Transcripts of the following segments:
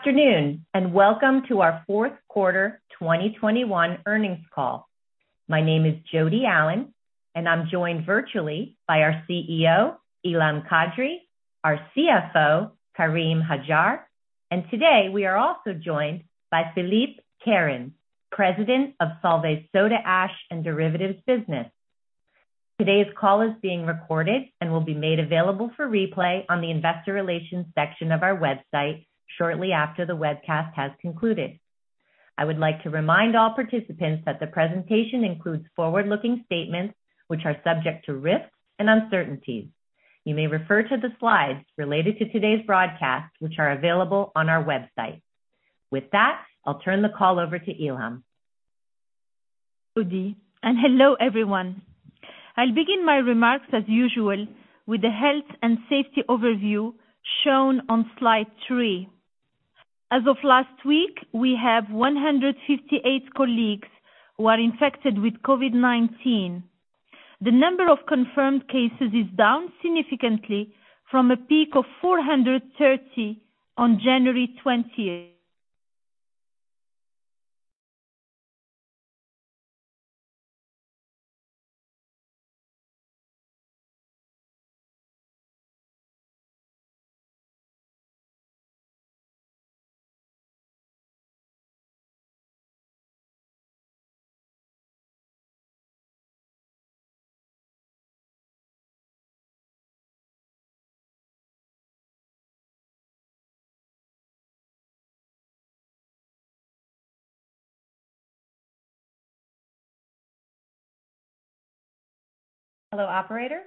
Afternoon, welcome to our Q4 2021 earnings call. My name is Jodi Allen, and I'm joined virtually by our CEO, Ilham Kadri, our CFO, Karim Hajjar, and today we are also joined by Philippe Kehren, President of Solvay's Soda Ash and Derivatives Business. Today's call is being recorded and will be made available for replay on the investor relations section of our website shortly after the webcast has concluded. I would like to remind all participants that the presentation includes forward-looking statements which are subject to risks and uncertainties. You may refer to the slides related to today's broadcast, which are available on our website. With that, I'll turn the call over to Ilham. Jodi, hello, everyone. I'll begin my remarks as usual with the health and safety overview shown on slide three. As of last week, we have 158 colleagues who are infected with COVID-19. The number of confirmed cases is down significantly from a peak of 430 on January 28th. Hello, operator.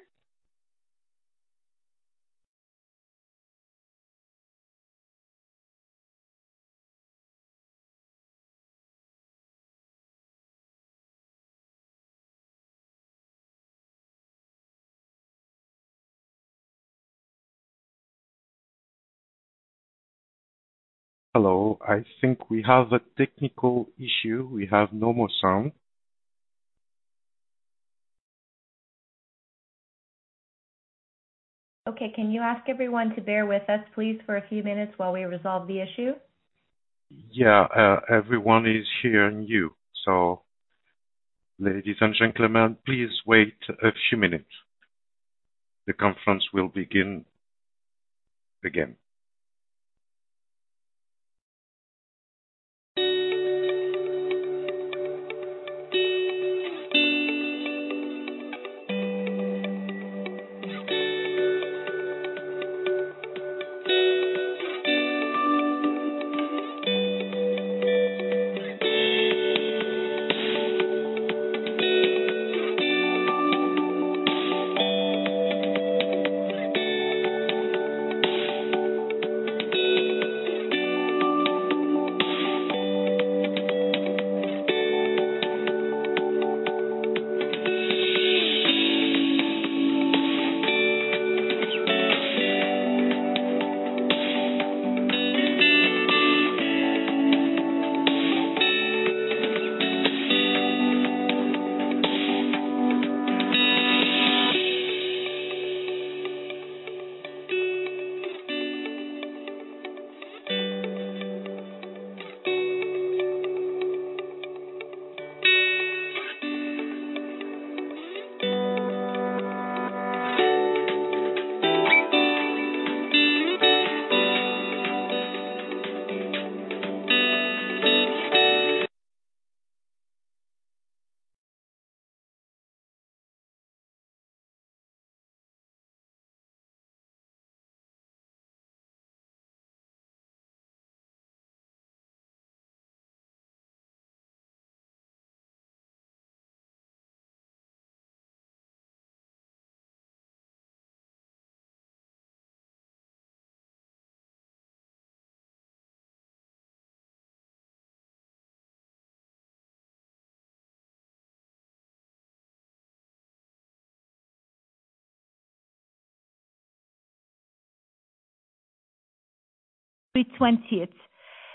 Hello. I think we have a technical issue. We have no more sound. Okay. Can you ask everyone to bear with us, please, for a few minutes while we resolve the issue? Yeah. Everyone is hearing you. Ladies and gentlemen, please wait a few minutes. The conference will begin again.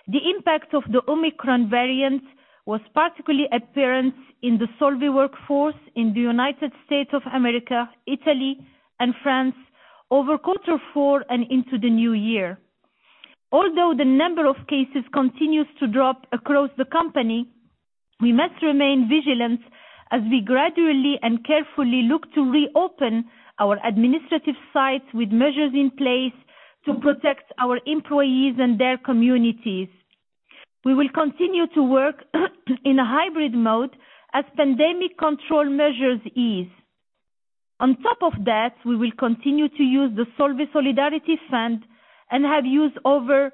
The impact of the Omicron variant was particularly apparent in the Solvay workforce in the United States of America, Italy, and France over Q4 and into the new year. Although the number of cases continues to drop across the company, we must remain vigilant as we gradually and carefully look to reopen our administrative sites with measures in place to protect our employees and their communities. We will continue to work in a hybrid mode as pandemic control measures ease. On top of that, we will continue to use the Solvay Solidarity Fund and have used over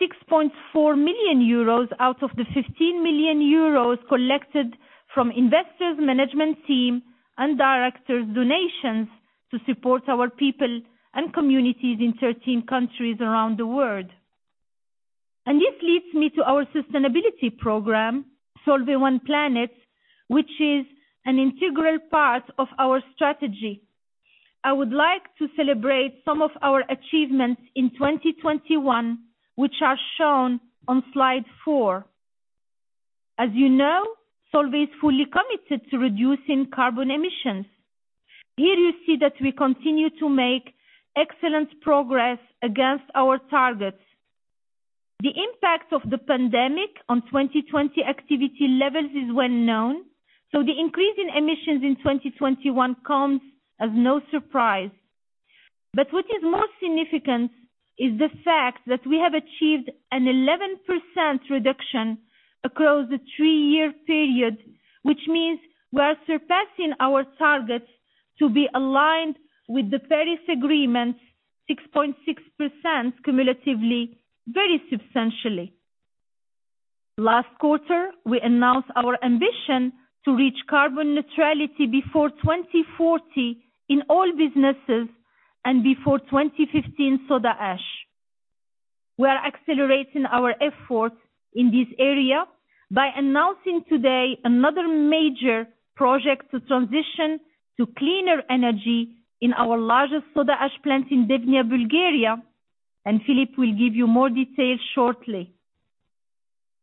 6.4 million euros out of the 15 million euros collected from investors, management team, and directors' donations to support our people and communities in 13 countries around the world. This leads me to our sustainability program, Solvay One Planet, which is an integral part of our strategy. I would like to celebrate some of our achievements in 2021, which are shown on slide four. As you know, Solvay is fully committed to reducing carbon emissions. Here you see that we continue to make excellent progress against our targets. The impact of the pandemic on 2020 activity levels is well-known, so the increase in emissions in 2021 comes as no surprise. What is most significant is the fact that we have achieved an 11% reduction across the three-year period, which means we are surpassing our targets to be aligned with the Paris Agreement 6.6% cumulatively very substantially. Last quarter, we announced our ambition to reach carbon neutrality before 2040 in all businesses and before 2015 Soda Ash. We are accelerating our efforts in this area by announcing today another major project to transition to cleaner energy in our largest soda ash plant in Devnya, Bulgaria, and Philippe will give you more details shortly.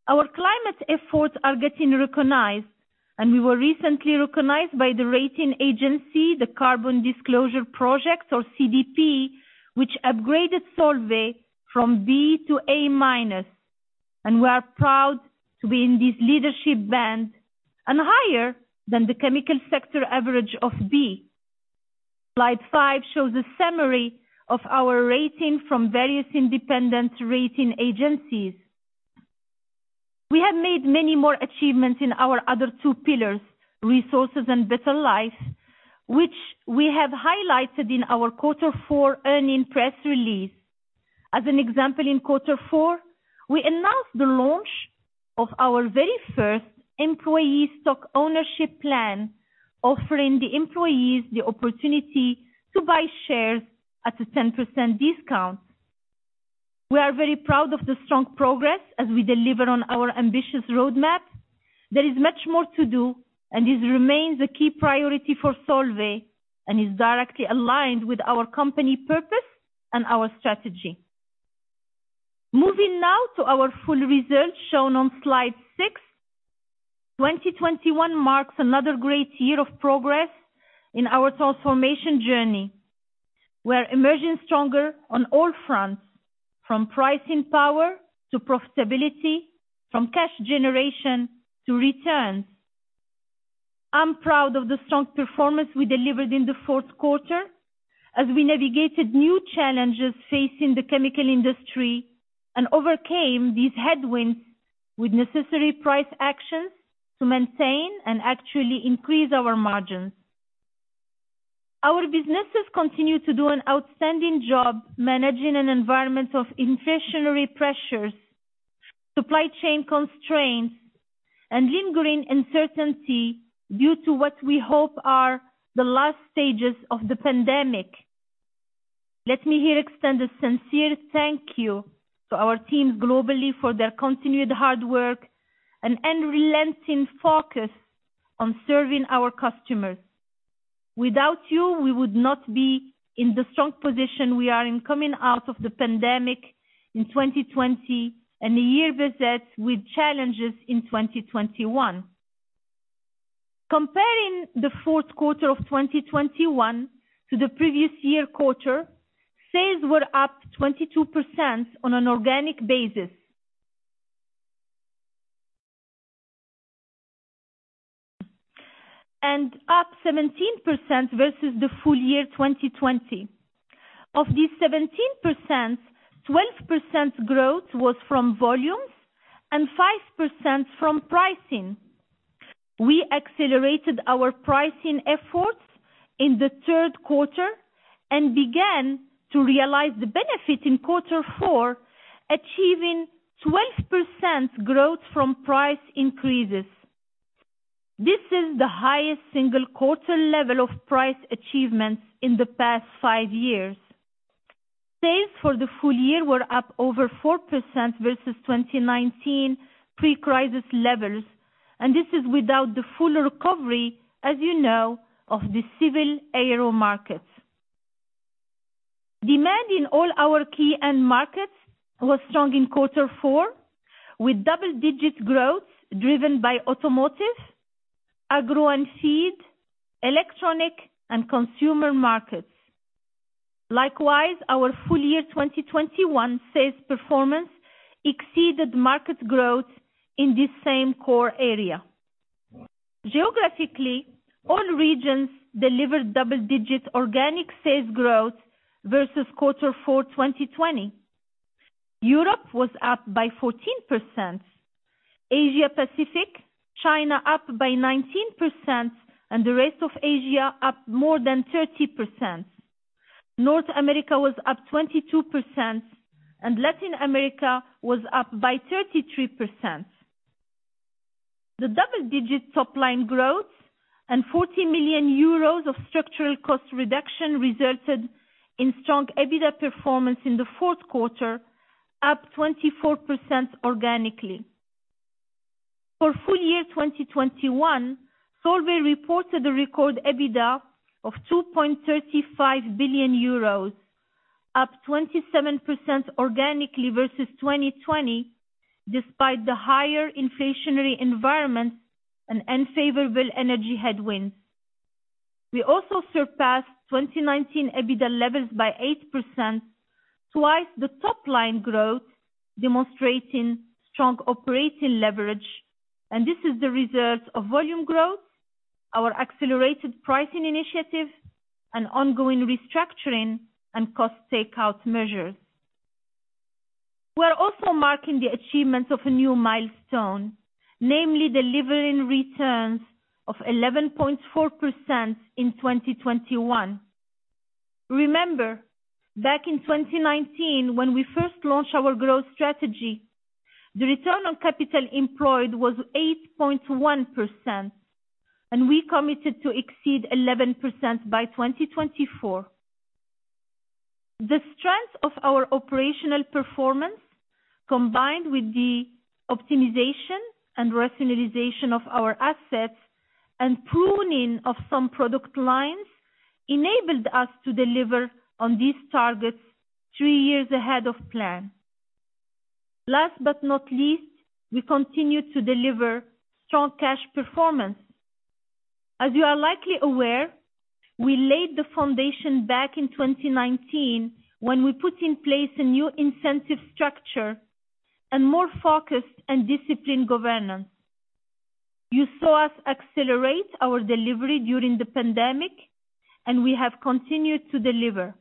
Our climate efforts are getting recognized, and we were recently recognized by the rating agency, the Carbon Disclosure Project or CDP, which upgraded Solvay from B to A minus, and we are proud to be in this leadership band and higher than the chemical sector average of B. Slide five shows a summary of our rating from various independent rating agencies. We have made many more achievements in our other two pillars, Resources and Better Life, which we have highlighted in our Q4 earnings press release. As an example, in Q4, we announced the launch of our very first employee stock ownership plan, offering the employees the opportunity to buy shares at a 10% discount. We are very proud of the strong progress as we deliver on our ambitious roadmap. There is much more to do and this remains a key priority for Solvay and is directly aligned with our company purpose and our strategy. Moving now to our full results shown on slide six. 2021 marks another great year of progress in our transformation journey. We are emerging stronger on all fronts, from pricing power to profitability, from cash generation to returns. I'm proud of the strong performance we delivered in the Q4 as we navigated new challenges facing the chemical industry and overcame these headwinds with necessary price actions to maintain and actually increase our margins. Our businesses continue to do an outstanding job managing an environment of inflationary pressures, supply chain constraints and lingering uncertainty due to what we hope are the last stages of the pandemic. Let me here extend a sincere thank you to our teams globally for their continued hard work and unrelenting focus on serving our customers. Without you, we would not be in the strong position we are in coming out of the pandemic in 2020 and a year beset with challenges in 2021. Comparing the Q4 of 2021 to the previous year quarter, sales were up 22% on an organic basis. Up 17% versus the full year 2020. Of these 17%, 12% growth was from volumes and 5% from pricing. We accelerated our pricing efforts in the Q3 and began to realize the benefit in Q4, achieving 12% growth from price increases. This is the highest single-quarter level of price achievements in the past five years. Sales for the full year were up over 4% versus 2019 pre-crisis levels, and this is without the full recovery, as you know, of the civil aero markets. Demand in all our key end markets was strong in Q4, with double-digit growth driven by automotive, agro & feed, electronic, and consumer markets. Likewise, our full year 2021 sales performance exceeded market growth in this same core area. Geographically, all regions delivered double-digit organic sales growth versus Q4 2020. Europe was up by 14%. Asia Pacific, China up by 19%, and the rest of Asia up more than 30%. North America was up 22% and Latin America was up by 33%. The double-digit top-line growth and 40 million euros of structural cost reduction resulted in strong EBITDA performance in the Q4, up 24% organically. For full year 2021, Solvay reported a record EBITDA of 2.35 billion euros. Up 27% organically versus 2020, despite the higher inflationary environment and unfavorable energy headwinds. We also surpassed 2019 EBITDA levels by 8%, twice the top line growth, demonstrating strong operating leverage. This is the result of volume growth, our accelerated pricing initiative and ongoing restructuring and cost takeout measures. We're also marking the achievements of a new milestone, namely delivering returns of 11.4% in 2021. Remember, back in 2019, when we first launched our growth strategy, the return on capital employed was 8.1%, and we committed to exceed 11% by 2024. The strength of our operational performance, combined with the optimization and rationalization of our assets and pruning of some product lines, enabled us to deliver on these targets three years ahead of plan. Last but not least, we continue to deliver strong cash performance. As you are likely aware, we laid the foundation back in 2019 when we put in place a new incentive structure and more focused and disciplined governance. You saw us accelerate our delivery during the pandemic, and we have continued to deliver.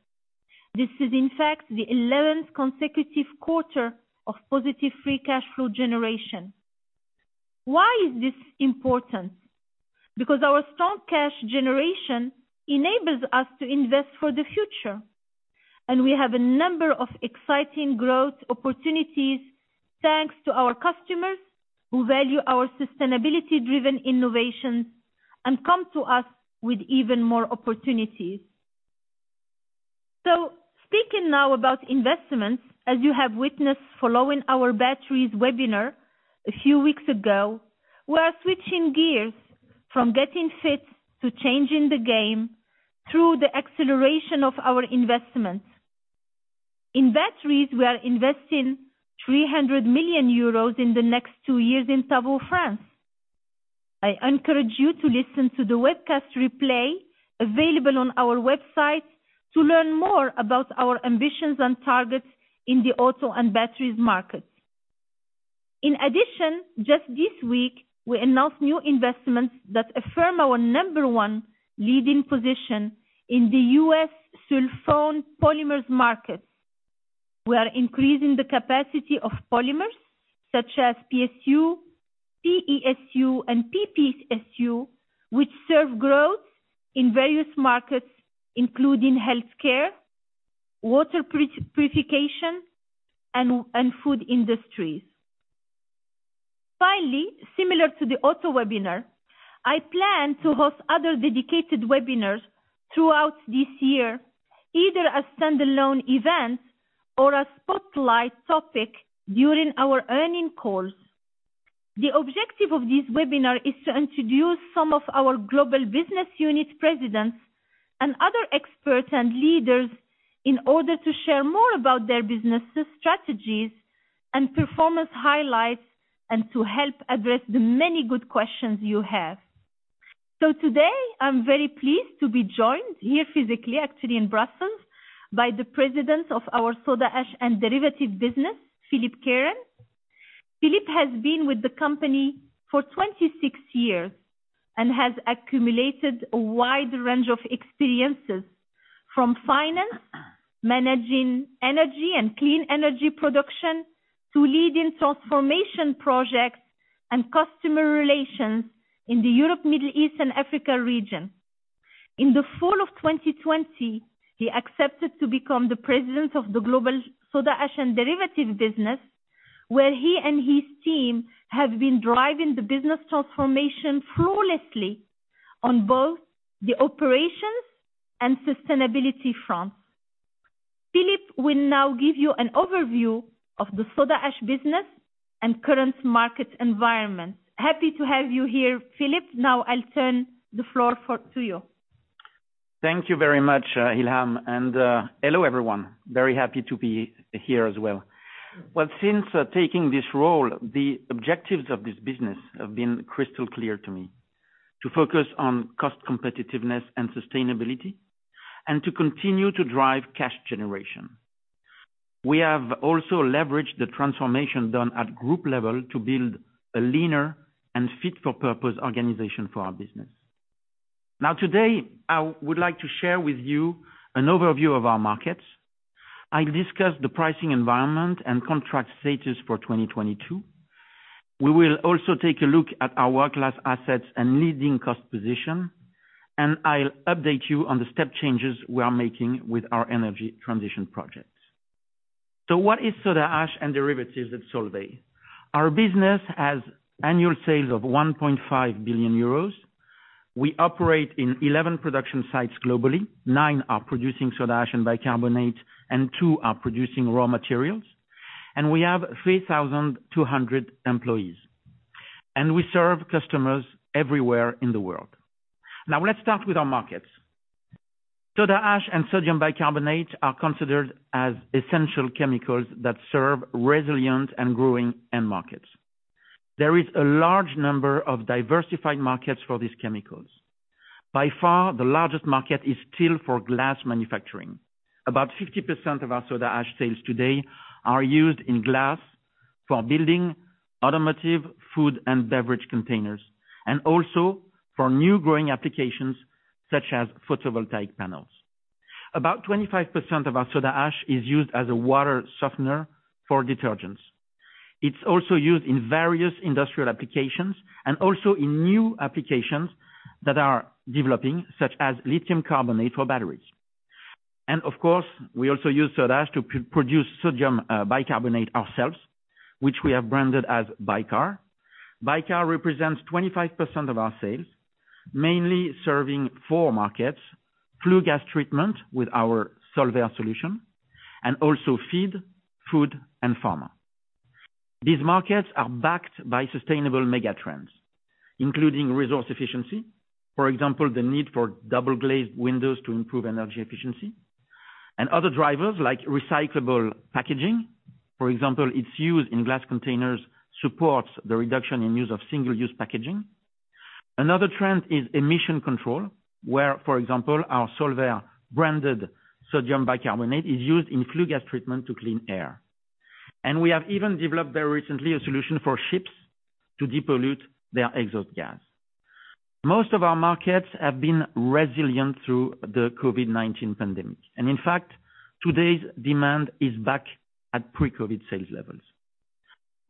This is in fact the 11th consecutive quarter of positive free cash flow generation. Why is this important? Because our strong cash generation enables us to invest for the future, and we have a number of exciting growth opportunities thanks to our customers who value our sustainability driven innovations and come to us with even more opportunities. Speaking now about investments, as you have witnessed following our batteries webinar a few weeks ago, we are switching gears from getting fit to changing the game through the acceleration of our investments. In batteries we are investing 300 million euros in the next two years in Tavaux, France. I encourage you to listen to the webcast replay available on our website to learn more about our ambitions and targets in the auto and batteries markets. In addition, just this week, we announced new investments that affirm our number one leading position in the U.S. sulfone polymers markets. We are increasing the capacity of polymers such as PSU, PESU, and PPSU, which serve growth in various markets including healthcare, water purification, and food industries. Finally, similar to the auto webinar, I plan to host other dedicated webinars throughout this year, either a standalone event or a spotlight topic during our earnings calls. The objective of this webinar is to introduce some of our global business unit presidents and other experts and leaders in order to share more about their business strategies and performance highlights and to help address the many good questions you have. Today I'm very pleased to be joined here physically, actually in Brussels, by the President of our Soda Ash and Derivatives Business, Philippe Kehren. Philippe has been with the company for 26 years and has accumulated a wide range of experiences from finance, managing energy and clean energy production, to leading transformation projects and customer relations in the Europe, Middle East and Africa region. In the fall of 2020, he accepted to become the President of the Soda Ash and Derivatives business, where he and his team have been driving the business transformation flawlessly on both the operations and sustainability fronts. Philippe will now give you an overview of the soda ash business and current market environment. Happy to have you here, Philippe. Now I'll turn the floor to you. Thank you very much, Ilham. Hello everyone. Very happy to be here as well. Well, since taking this role, the objectives of this business have been crystal clear to me. To focus on cost competitiveness and sustainability and to continue to drive cash generation. We have also leveraged the transformation done at group level to build a leaner and fit for purpose organization for our business. Now, today, I would like to share with you an overview of our markets. I'll discuss the pricing environment and contract status for 2022. We will also take a look at our world-class assets and leading cost position, and I'll update you on the step changes we are making with our energy transition projects. What is Soda Ash and Derivatives at Solvay? Our business has annual sales of 1.5 billion euros. We operate in 11 production sites globally. nine are producing Soda Ash and bicarbonate, and two are producing raw materials. We have 3,200 employees. We serve customers everywhere in the world. Now let's start with our markets. Soda Ash and sodium bicarbonate are considered as essential chemicals that serve resilient and growing end markets. There is a large number of diversified markets for these chemicals. By far, the largest market is still for glass manufacturing. About 50% of our Soda Ash sales today are used in glass for building, automotive, food and beverage containers, and also for new growing applications such as photovoltaic panels. About 25% of our Soda Ash is used as a water softener for detergents. It's also used in various industrial applications and also in new applications that are developing, such as lithium carbonate for batteries. Of course, we also use Soda Ash to produce sodium bicarbonate ourselves, which we have branded as Bicar. Bicar represents 25% of our sales, mainly serving four markets, flue gas treatment with our Solvay solution and also feed, food and pharma. These markets are backed by sustainable mega trends, including resource efficiency. For example, the need for double-glazed windows to improve energy efficiency. Other drivers like recyclable packaging, for example, its use in glass containers supports the reduction in use of single-use packaging. Another trend is emission control, where, for example, our Solvay branded sodium bicarbonate is used in flue gas treatment to clean air. We have even developed very recently a solution for ships to depollute their exhaust gas. Most of our markets have been resilient through the COVID-19 pandemic, and in fact, today's demand is back at pre-COVID sales levels.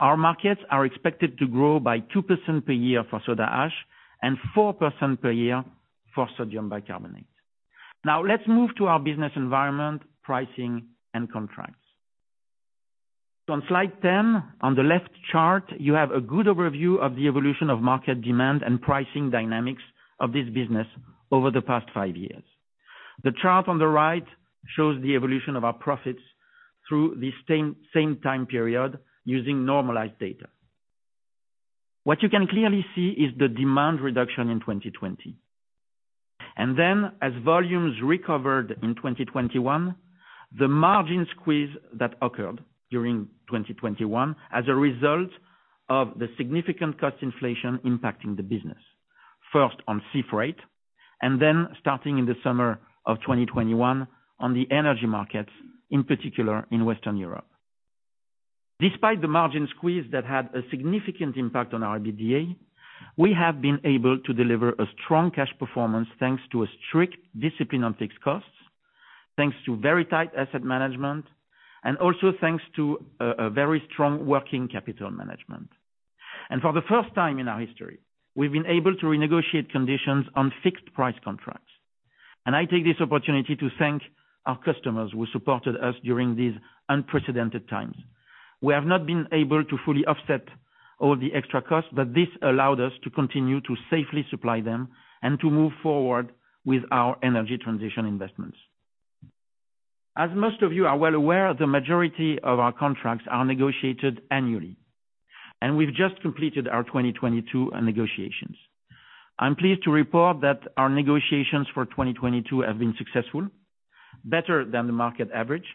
Our markets are expected to grow by 2% per year for Soda Ash and 4% per year for sodium bicarbonate. Now let's move to our business environment, pricing and contracts. On slide 10, on the left chart, you have a good overview of the evolution of market demand and pricing dynamics of this business over the past five years. The chart on the right shows the evolution of our profits through the same time period using normalized data. What you can clearly see is the demand reduction in 2020. As volumes recovered in 2021, the margin squeeze that occurred during 2021 as a result of the significant cost inflation impacting the business, first on sea freight and then starting in the summer of 2021 on the energy markets in particular in Western Europe. Despite the margin squeeze that had a significant impact on our EBITDA, we have been able to deliver a strong cash performance thanks to a strict discipline on fixed costs, thanks to very tight asset management and also thanks to a very strong working capital management. For the first time in our history, we've been able to renegotiate conditions on fixed price contracts. I take this opportunity to thank our customers who supported us during these unprecedented times. We have not been able to fully offset all the extra costs, but this allowed us to continue to safely supply them and to move forward with our energy transition investments. As most of you are well aware, the majority of our contracts are negotiated annually, and we've just completed our 2022 negotiations. I'm pleased to report that our negotiations for 2022 have been successful, better than the market average.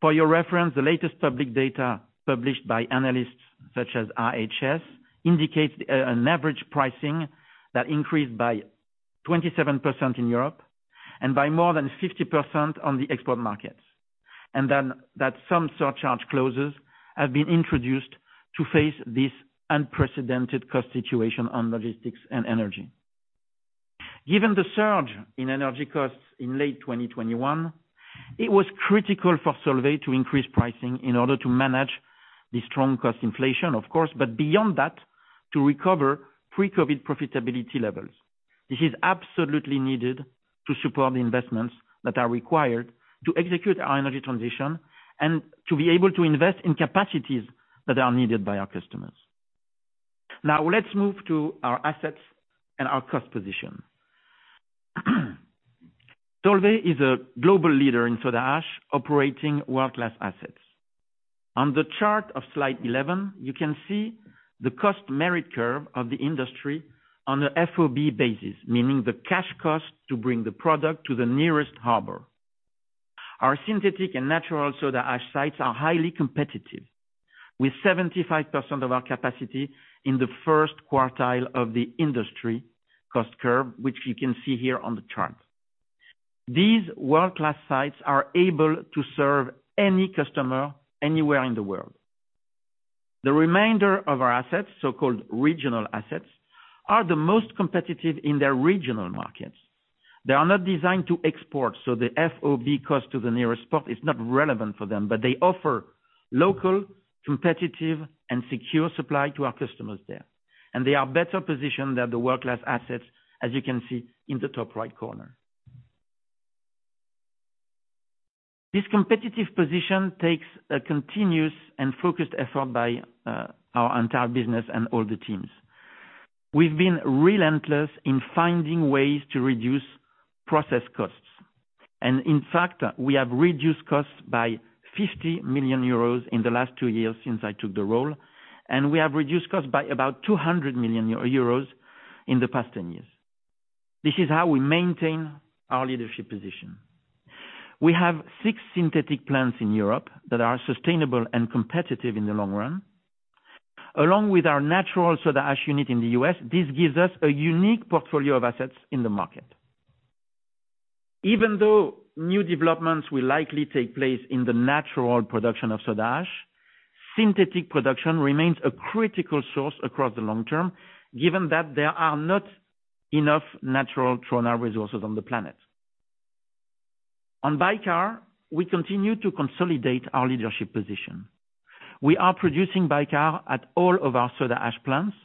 For your reference, the latest public data published by analysts such as IHS indicates an average pricing that increased by 27% in Europe and by more than 50% on the export markets, and then that some surcharge clauses have been introduced to face this unprecedented cost situation on logistics and energy. Given the surge in energy costs in late 2021, it was critical for Solvay to increase pricing in order to manage the strong cost inflation, of course, but beyond that, to recover pre-COVID profitability levels. This is absolutely needed to support the investments that are required to execute our energy transition and to be able to invest in capacities that are needed by our customers. Now let's move to our assets and our cost position. Solvay is a global leader in Soda Ash, operating world-class assets. On the chart of slide 11, you can see the cost merit curve of the industry on a FOB basis, meaning the cash cost to bring the product to the nearest harbor. Our synthetic and natural Soda Ash sites are highly competitive, with 75% of our capacity in the first quartile of the industry cost curve, which you can see here on the chart. These world-class sites are able to serve any customer anywhere in the world. The remainder of our assets, so-called regional assets, are the most competitive in their regional markets. They are not designed to export, so the FOB cost to the nearest port is not relevant for them, but they offer local, competitive and secure supply to our customers there. They are better positioned than the world-class assets, as you can see in the top right corner. This competitive position takes a continuous and focused effort by our entire business and all the teams. We've been relentless in finding ways to reduce process costs. In fact, we have reduced costs by 50 million euros in the last two years since I took the role, and we have reduced costs by about 200 million euros in the past 10 years. This is how we maintain our leadership position. We have six synthetic plants in Europe that are sustainable and competitive in the long run, along with our natural soda ash unit in the U.S. This gives us a unique portfolio of assets in the market. Even though new developments will likely take place in the natural production of Soda Ash, synthetic production remains a critical source across the long term, given that there are not enough natural trona resources on the planet. On Bicar, we continue to consolidate our leadership position. We are producing Bicar at all of our Soda Ash plants,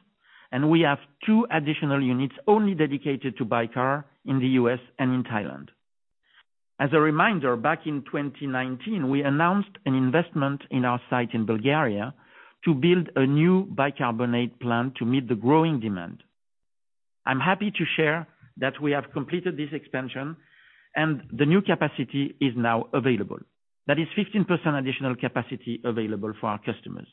and we have two additional units only dedicated to Bicar in the U.S. and in Thailand. As a reminder, back in 2019, we announced an investment in our site in Bulgaria to build a new bicarbonate plant to meet the growing demand. I'm happy to share that we have completed this expansion and the new capacity is now available. That is 15% additional capacity available for our customers.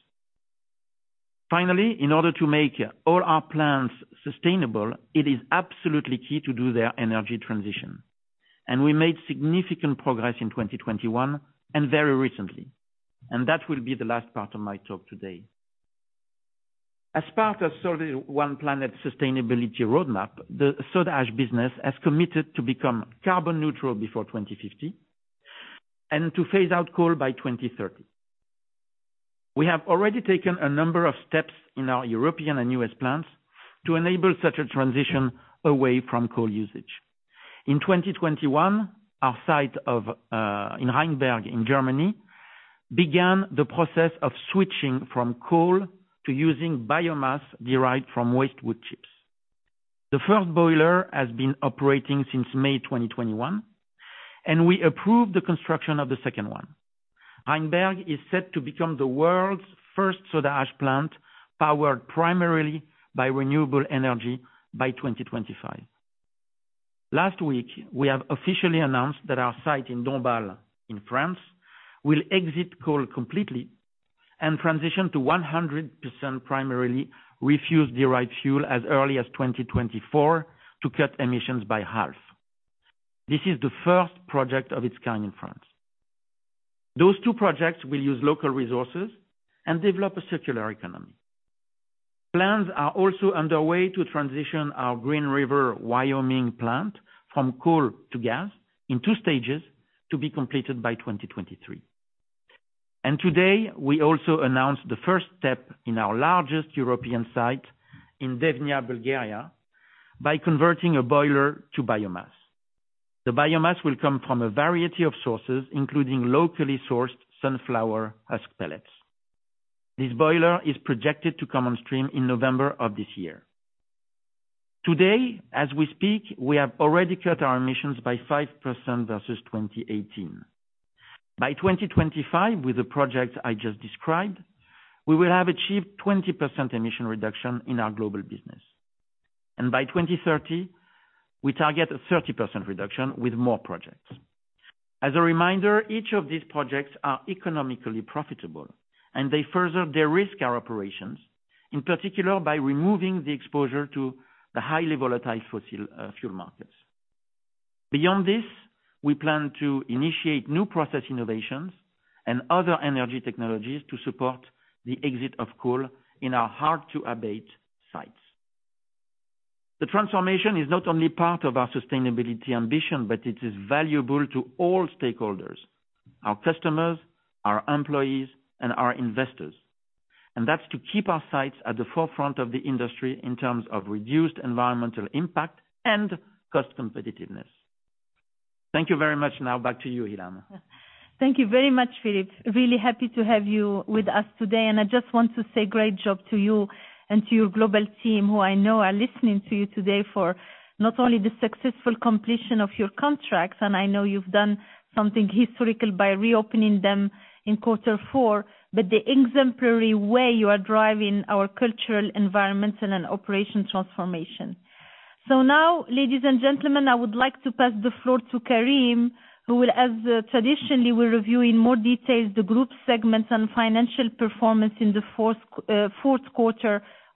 Finally, in order to make all our plants sustainable, it is absolutely key to do their energy transition. We made significant progress in 2021 and very recently, and that will be the last part of my talk today. As part of Solvay One Planet sustainability roadmap, the Soda Ash business has committed to become carbon neutral before 2050, and to phase out coal by 2030. We have already taken a number of steps in our European and U.S. plants to enable such a transition away from coal usage. In 2021, our site in Rheinberg in Germany began the process of switching from coal to using biomass derived from waste wood chips. The first boiler has been operating since May 2021, and we approved the construction of the second one. Rheinberg is set to become the world's first soda ash plant powered primarily by renewable energy by 2025. Last week, we have officially announced that our site in Dombasle in France will exit coal completely and transition to 100% primarily refuse-derived fuel as early as 2024 to cut emissions by half. This is the first project of its kind in France. Those two projects will use local resources and develop a circular economy. Plans are also underway to transition our Green River, Wyoming plant from coal to gas in two stages to be completed by 2023. Today, we also announced the first step in our largest European site in Devnya, Bulgaria, by converting a boiler to biomass. The biomass will come from a variety of sources, including locally sourced sunflower husk pellets. This boiler is projected to come on stream in November of this year. Today, as we speak, we have already cut our emissions by 5% versus 2018. By 2025, with the projects I just described, we will have achieved 20% emission reduction in our global business. By 2030, we target a 30% reduction with more projects. As a reminder, each of these projects are economically profitable, and they further de-risk our operations, in particular, by removing the exposure to the highly volatile fossil fuel markets. Beyond this, we plan to initiate new process innovations and other energy technologies to support the exit of coal in our hard to abate sites. The transformation is not only part of our sustainability ambition, but it is valuable to all stakeholders, our customers, our employees, and our investors. That's to keep our sights at the forefront of the industry in terms of reduced environmental impact and cost competitiveness. Thank you very much. Now back to you, Ilham. Thank you very much, Philippe. Really happy to have you with us today. I just want to say great job to you and to your global team, who I know are listening to you today for not only the successful completion of your contracts, and I know you've done something historical by reopening them in Q4, but the exemplary way you are driving our cultural environment and an operation transformation. Now, ladies and gentlemen, I would like to pass the floor to Karim, who will, as traditionally, review in more details the group segments and financial performance in the Q4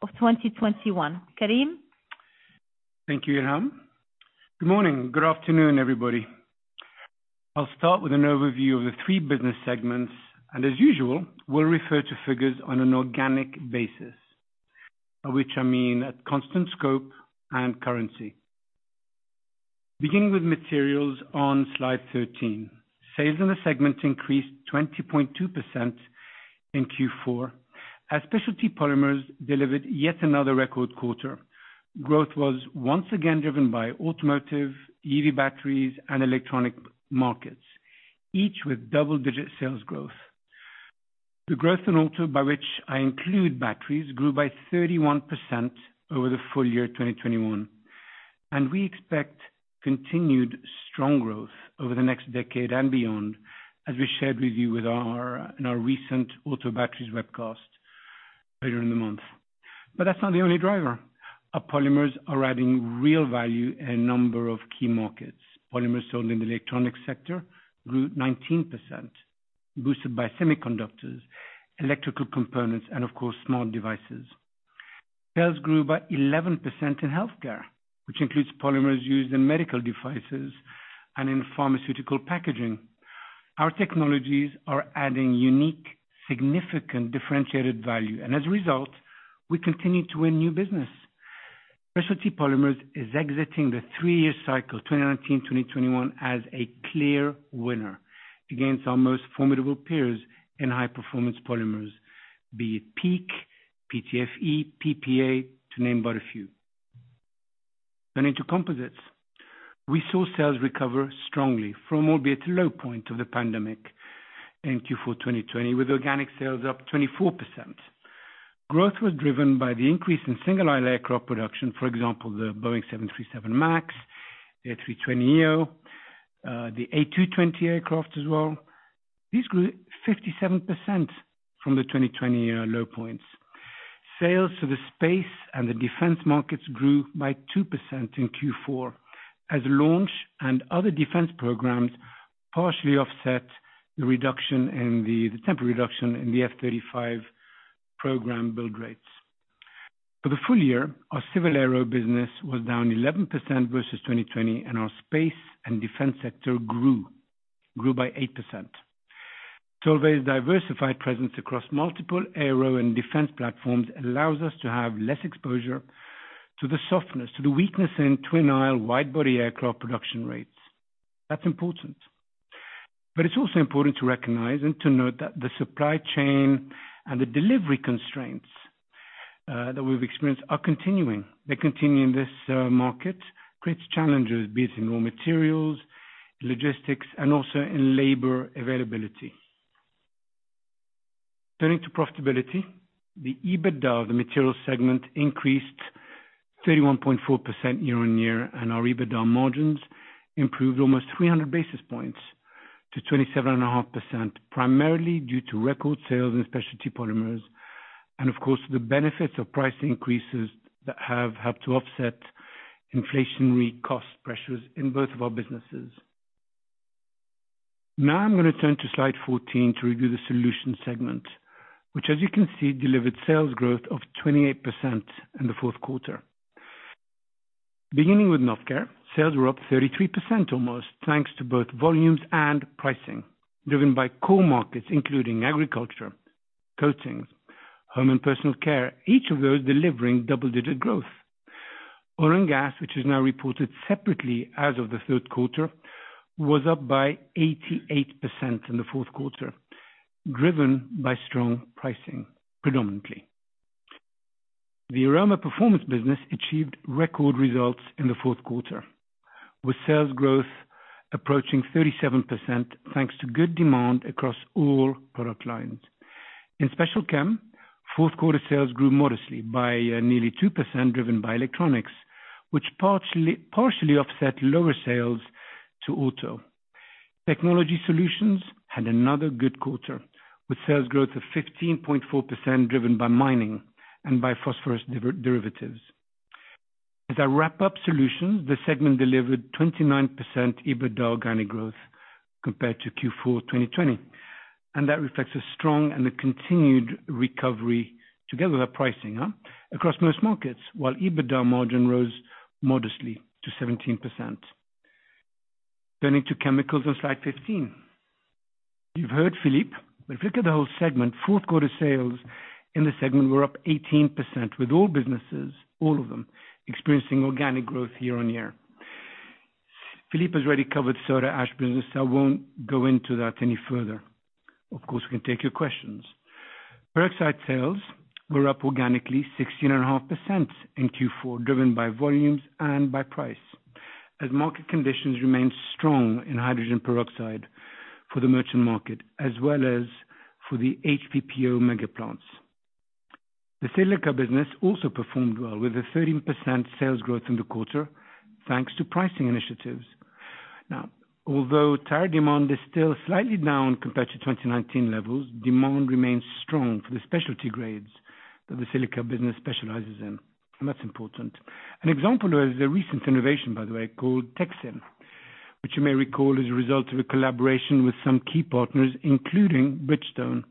of 2021. Karim? Thank you, Ilham. Good morning. Good afternoon, everybody. I'll start with an overview of the three business segments, and as usual, we'll refer to figures on an organic basis, by which I mean at constant scope and currency. Beginning with Materials on slide 13. Sales in the segment increased 20.2% in Q4 as Specialty Polymers delivered yet another record quarter. Growth was once again driven by automotive, EV batteries, and electronic markets, each with double-digit sales growth. The growth in auto, by which I include batteries, grew by 31% over the full year 2021. We expect continued strong growth over the next decade and beyond, as we shared with you in our recent auto batteries webcast earlier in the month. That's not the only driver. Our polymers are adding real value in a number of key markets. Polymers sold in the electronic sector grew 19%, boosted by semiconductors, electrical components, and of course, smart devices. Sales grew by 11% in healthcare, which includes polymers used in medical devices and in pharmaceutical packaging. Our technologies are adding unique, significant differentiated value. As a result, we continue to win new business. Specialty Polymers is exiting the three-year cycle, 2019-2021, as a clear winner against our most formidable peers in high performance polymers, be it PEEK, PTFE, PPA, to name but a few. Turning to Composites. We saw sales recover strongly from what was at a low point of the pandemic in Q4 2020, with organic sales up 24%. Growth was driven by the increase in single aisle aircraft production, for example, the Boeing 737 MAX, the A320neo, the A220 aircraft as well. These grew 57% from the 2020 low points. Sales to the space and the defense markets grew by 2% in Q4 as launch and other defense programs partially offset the temporary reduction in the F-35 program build rates. For the full year, our civil aero business was down 11% versus 2020, and our space and defense sector grew by 8%. Solvay's diversified presence across multiple aero and defense platforms allows us to have less exposure to the softness, to the weakness in twin aisle wide-body aircraft production rates. That's important. It's also important to recognize and to note that the supply chain and the delivery constraints that we've experienced are continuing. This market creates challenges, be it in raw materials, logistics, and also in labor availability. Turning to profitability, the EBITDA, the Materials segment increased 31.4% year-on-year, and our EBITDA margins improved almost 300 basis points to 27.5%, primarily due to record sales in Specialty Polymers and of course, the benefits of price increases that have helped to offset inflationary cost pressures in both of our businesses. Now I'm gonna turn to slide 14 to review the Solutions segment, which, as you can see, delivered sales growth of 28% in the Q4. Beginning with Novecare, sales were up 33% almost thanks to both volumes and pricing driven by core markets including agriculture, coatings, home and personal care, each of those delivering double-digit growth. Oil and gas, which is now reported separately as of the Q3, was up by 88% in the Q4, driven by strong pricing predominantly. The Aroma Performance business achieved record results in the Q4, with sales growth approaching 37%, thanks to good demand across all product lines. In Special Chem, Q4 sales grew modestly by nearly 2% driven by electronics, which partially offset lower sales to auto. Technology Solutions had another good quarter with sales growth of 15.4% driven by mining and by phosphorus derivatives. As I wrap up Solutions, the segment delivered 29% EBITDA organic growth compared to Q4 2020, and that reflects a strong and continued recovery together with our pricing across most markets, while EBITDA margin rose modestly to 17%. Turning to Chemicals on slide 15. You've heard Philippe, but if you look at the whole segment, Q4 sales in the segment were up 18%, with all businesses, all of them, experiencing organic growth year-on-year. Philippe has already covered Soda Ash business, so I won't go into that any further. Of course, we can take your questions. Peroxide sales were up organically 16.5% in Q4, driven by volumes and by price, as market conditions remained strong in hydrogen peroxide for the merchant market as well as for the HPPO mega plants. The silica business also performed well with a 13% sales growth in the quarter, thanks to pricing initiatives. Now, although tire demand is still slightly down compared to 2019 levels, demand remains strong for the specialty grades that the silica business specializes in, and that's important. An example of this is a recent innovation, by the way, called Texyn, which you may recall is a result of a collaboration with some key partners, including Bridgestone.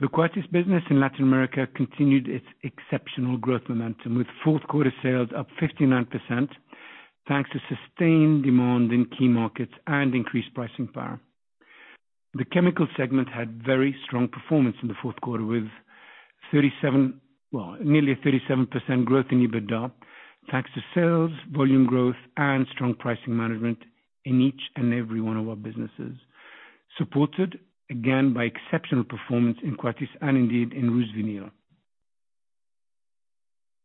The Coatis business in Latin America continued its exceptional growth momentum, with Q4 sales up 59%, thanks to sustained demand in key markets and increased pricing power. The Chemical segment had very strong performance in the Q4. Well, nearly a 37% growth in EBITDA, thanks to sales, volume growth, and strong pricing management in each and every one of our businesses, supported again by exceptional performance in Coatis and indeed in RusVinyl.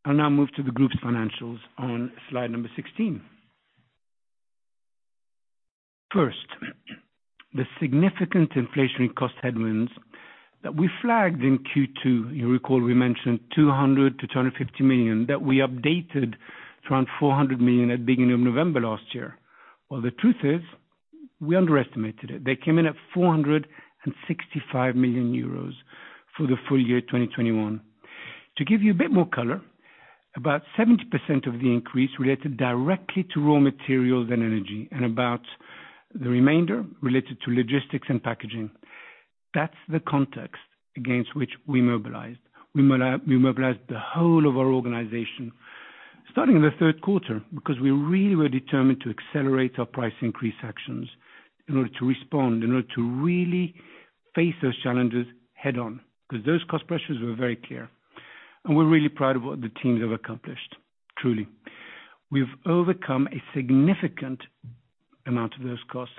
I'll now move to the group's financials on slide number 16. First, the significant inflationary cost headwinds that we flagged in Q2, you recall we mentioned 200 million-250 million that we updated to around 400 million at beginning of November last year. Well, the truth is we underestimated it. They came in at 465 million euros for the full year 2021. To give you a bit more color, about 70% of the increase related directly to raw materials and energy and about the remainder related to logistics and packaging. That's the context against which we mobilized. We mobilized the whole of our organization starting in the Q3 because we really were determined to accelerate our price increase actions in order to respond, in order to really face those challenges head on, because those cost pressures were very clear. We're really proud of what the teams have accomplished, truly. We've overcome a significant amount of those costs.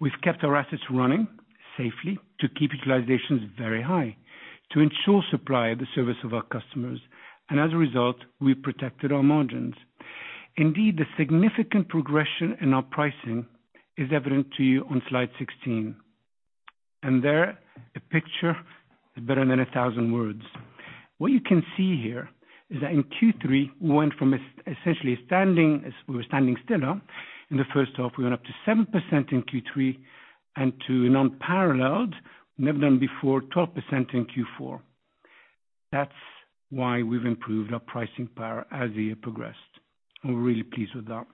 We've kept our assets running safely to keep utilizations very high, to ensure supply at the service of our customers. As a result, we protected our margins. Indeed, the significant progression in our pricing is evident to you on slide 16, and there a picture is better than a thousand words. What you can see here is that in Q3, we went from essentially standing still in the first half, we went up to 7% in Q3 and to an unparalleled, never done before, 12% in Q4. That's why we've improved our pricing power as the year progressed. We're really pleased with that.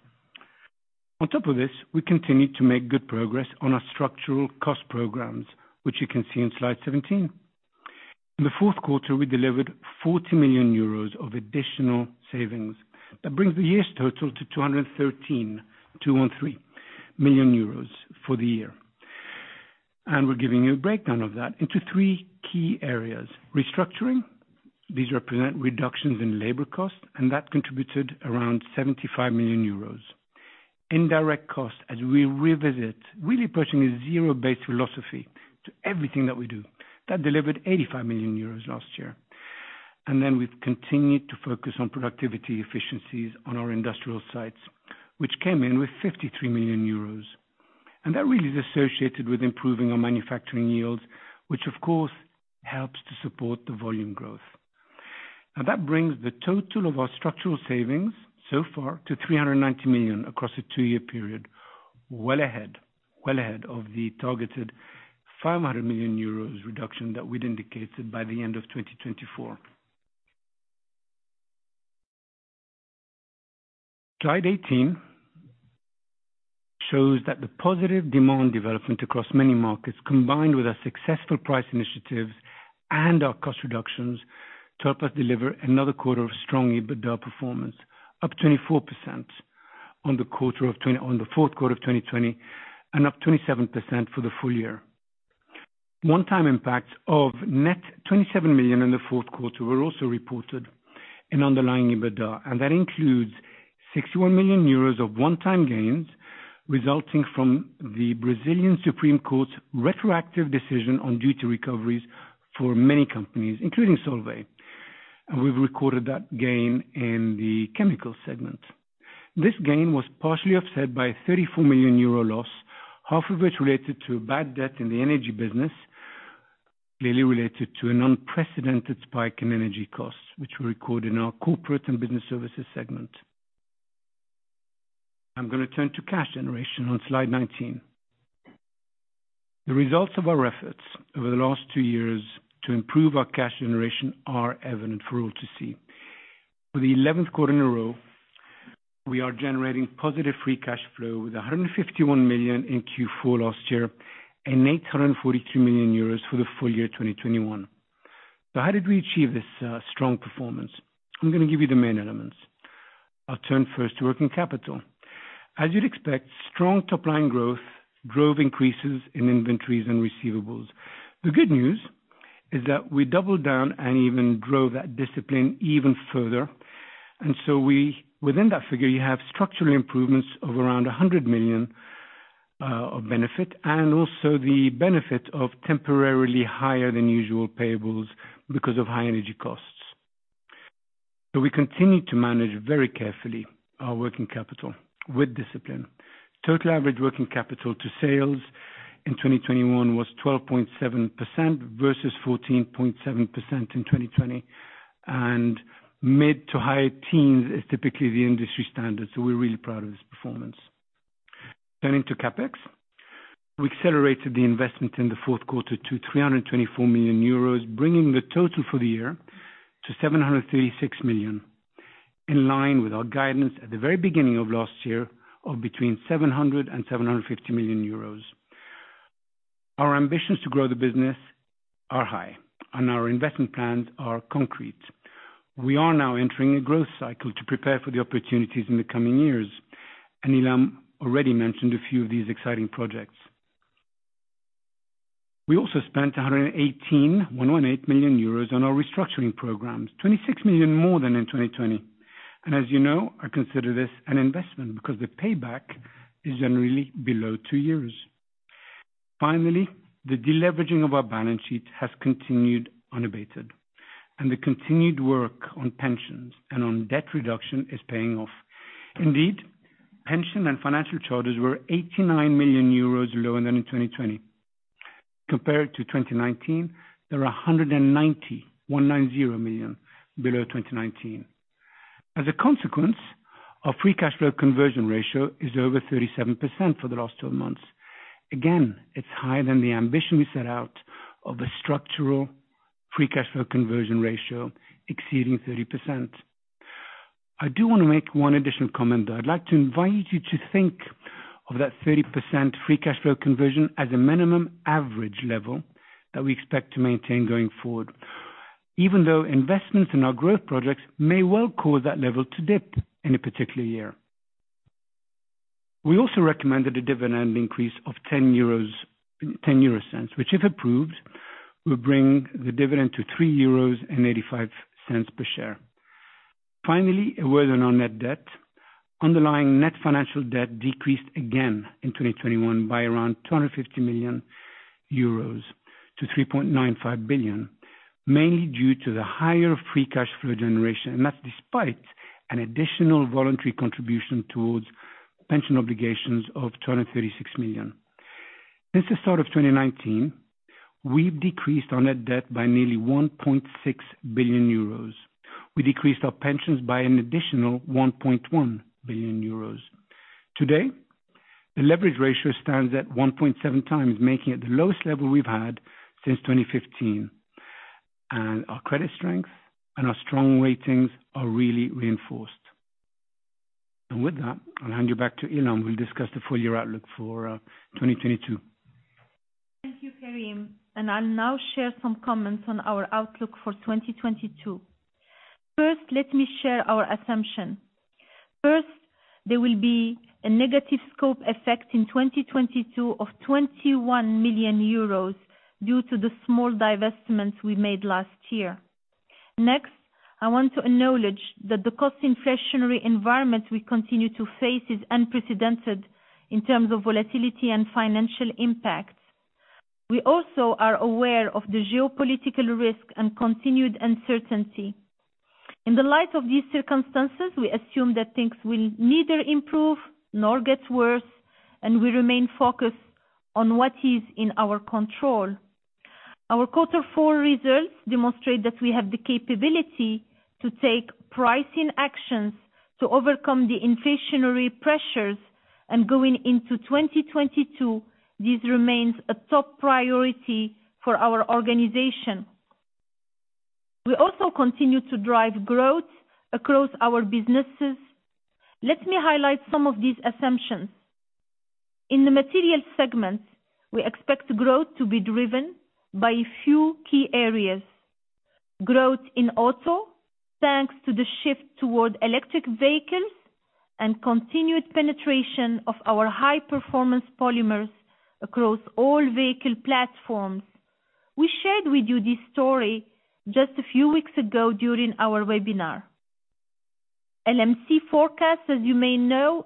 On top of this, we continued to make good progress on our structural cost programs, which you can see in slide 17. In the Q4, we delivered 40 million euros of additional savings. That brings the year's total to 213 million euros for the year. We're giving you a breakdown of that into three key areas. Restructuring. These represent reductions in labor costs, and that contributed around 75 million euros. Indirect costs, as we revisit, really approaching a zero-based philosophy to everything that we do. That delivered 85 million euros last year. We've continued to focus on productivity efficiencies on our industrial sites, which came in with 53 million euros. That really is associated with improving our manufacturing yields, which of course helps to support the volume growth. Now, that brings the total of our structural savings so far to 390 million across a two-year period. Well ahead of the targeted 500 million euros reduction that we'd indicated by the end of 2024. Slide 18 shows that the positive demand development across many markets, combined with our successful price initiatives and our cost reductions, to help us deliver another quarter of strong EBITDA performance, up 24% on the Q4 of 2020 and up 27% for the full year. One-time impacts of net 27 million in the Q4 were also reported in underlying EBITDA, and that includes 61 million euros of one-time gains resulting from the Supreme Federal Court's retroactive decision on duty recoveries for many companies, including Solvay. We've recorded that gain in the chemical segment. This gain was partially offset by a 34 million euro loss, half of which related to bad debt in the energy business, clearly related to an unprecedented spike in energy costs, which we record in our corporate and business services segment. I'm gonna turn to cash generation on slide 19. The results of our efforts over the last two years to improve our cash generation are evident for all to see. For the 11th quarter in a row, we are generating positive free cash flow with 151 million in Q4 last year and 842 million euros for the full year 2021. How did we achieve this, strong performance? I'm gonna give you the main elements. I'll turn first to working capital. As you'd expect, strong top-line growth drove increases in inventories and receivables. The good news is that we doubled down and even drove that discipline even further. Within that figure, you have structural improvements of around 100 million of benefit and also the benefit of temporarily higher than usual payables because of high energy costs. We continue to manage very carefully our working capital with discipline. Total average working capital to sales in 2021 was 12.7% versus 14.7% in 2020. Mid to high teens is typically the industry standard, so we're really proud of this performance. Turning to CapEx, we accelerated the investment in the Q4 to 324 million euros, bringing the total for the year to 736 million, in line with our guidance at the very beginning of last year of between 700 million euros and 750 million euros. Our ambitions to grow the business are high and our investment plans are concrete. We are now entering a growth cycle to prepare for the opportunities in the coming years, and Ilham already mentioned a few of these exciting projects. We also spent 118 million euros on our restructuring programs, 26 million more than in 2020. As you know, I consider this an investment because the payback is generally below two years. Finally, the deleveraging of our balance sheet has continued unabated, and the continued work on pensions and on debt reduction is paying off. Indeed, pension and financial charges were 89 million euros lower than in 2020. Compared to 2019, they are 190 million below 2019. As a consequence, our free cash flow conversion ratio is over 37% for the last twelve months. Again, it's higher than the ambition we set out of the structural free cash flow conversion ratio exceeding 30%. I do wanna make one additional comment, though. I'd like to invite you to think of that 30% free cash flow conversion as a minimum average level that we expect to maintain going forward, even though investments in our growth projects may well cause that level to dip in a particular year. We also recommended a dividend increase of 0.10, which, if approved, will bring the dividend to 3.85 euros per share. Finally, a word on our net debt. Underlying net financial debt decreased again in 2021 by around 250 million euros to 3.95 billion, mainly due to the higher free cash flow generation, and that's despite an additional voluntary contribution towards pension obligations of 236 million. Since the start of 2019, we've decreased our net debt by nearly 1.6 billion euros. We decreased our pensions by an additional 1.1 billion euros. Today, the leverage ratio stands at 1.7 times, making it the lowest level we've had since 2015. Our credit strength and our strong ratings are really reinforced. With that, I'll hand you back to Ilham, who will discuss the full-year outlook for 2022. Thank you, Karim. I'll now share some comments on our outlook for 2022. First, let me share our assumption. First, there will be a negative scope effect in 2022 of 21 million euros due to the small divestments we made last year. Next, I want to acknowledge that the cost inflationary environment we continue to face is unprecedented in terms of volatility and financial impact. We also are aware of the geopolitical risk and continued uncertainty. In the light of these circumstances, we assume that things will neither improve nor get worse, and we remain focused on what is in our control. Our Q4 results demonstrate that we have the capability to take pricing actions to overcome the inflationary pressures, and going into 2022, this remains a top priority for our organization. We also continue to drive growth across our businesses. Let me highlight some of these assumptions. In the materials segment, we expect growth to be driven by a few key areas, growth in auto, thanks to the shift toward electric vehicles and continued penetration of our high-performance polymers across all vehicle platforms. We shared with you this story just a few weeks ago during our webinar. LMC forecasts, as you may know,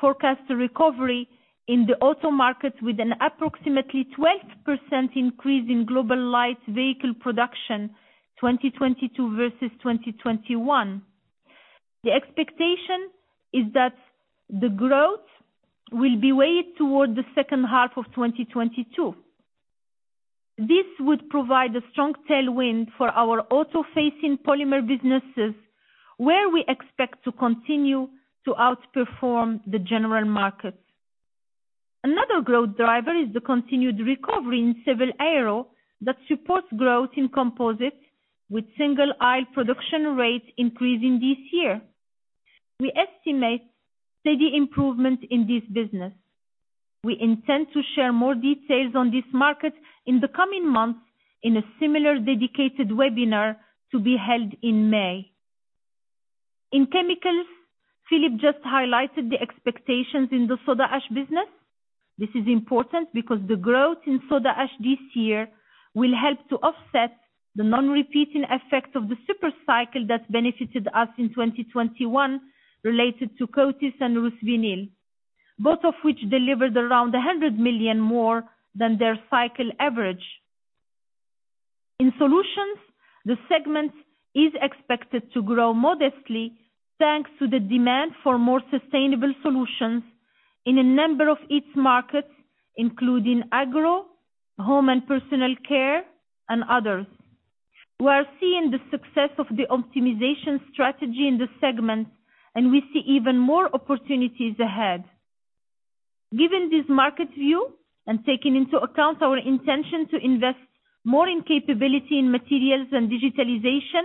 forecast a recovery in the auto market with an approximately 12% increase in global light vehicle production, 2022 versus 2021. The expectation is that the growth will be weighted toward the second half of 2022. This would provide a strong tailwind for our auto-facing polymer businesses, where we expect to continue to outperform the general market. Another growth driver is the continued recovery in civil aero that supports growth in Composites with single-aisle production rates increasing this year. We estimate steady improvement in this business. We intend to share more details on this market in the coming months in a similar dedicated webinar to be held in May. In chemicals, Philippe just highlighted the expectations in the Soda Ash business. This is important because the growth in Soda Ash this year will help to offset the non-repeating effect of the super cycle that benefited us in 2021 related to Coatis and RusVinyl, both of which delivered around 100 million more than their cycle average. In solutions, the segment is expected to grow modestly thanks to the demand for more sustainable solutions in a number of its markets, including agro, home and personal care, and others. We are seeing the success of the optimization strategy in this segment, and we see even more opportunities ahead. Given this market view and taking into account our intention to invest more in capability in materials and digitalization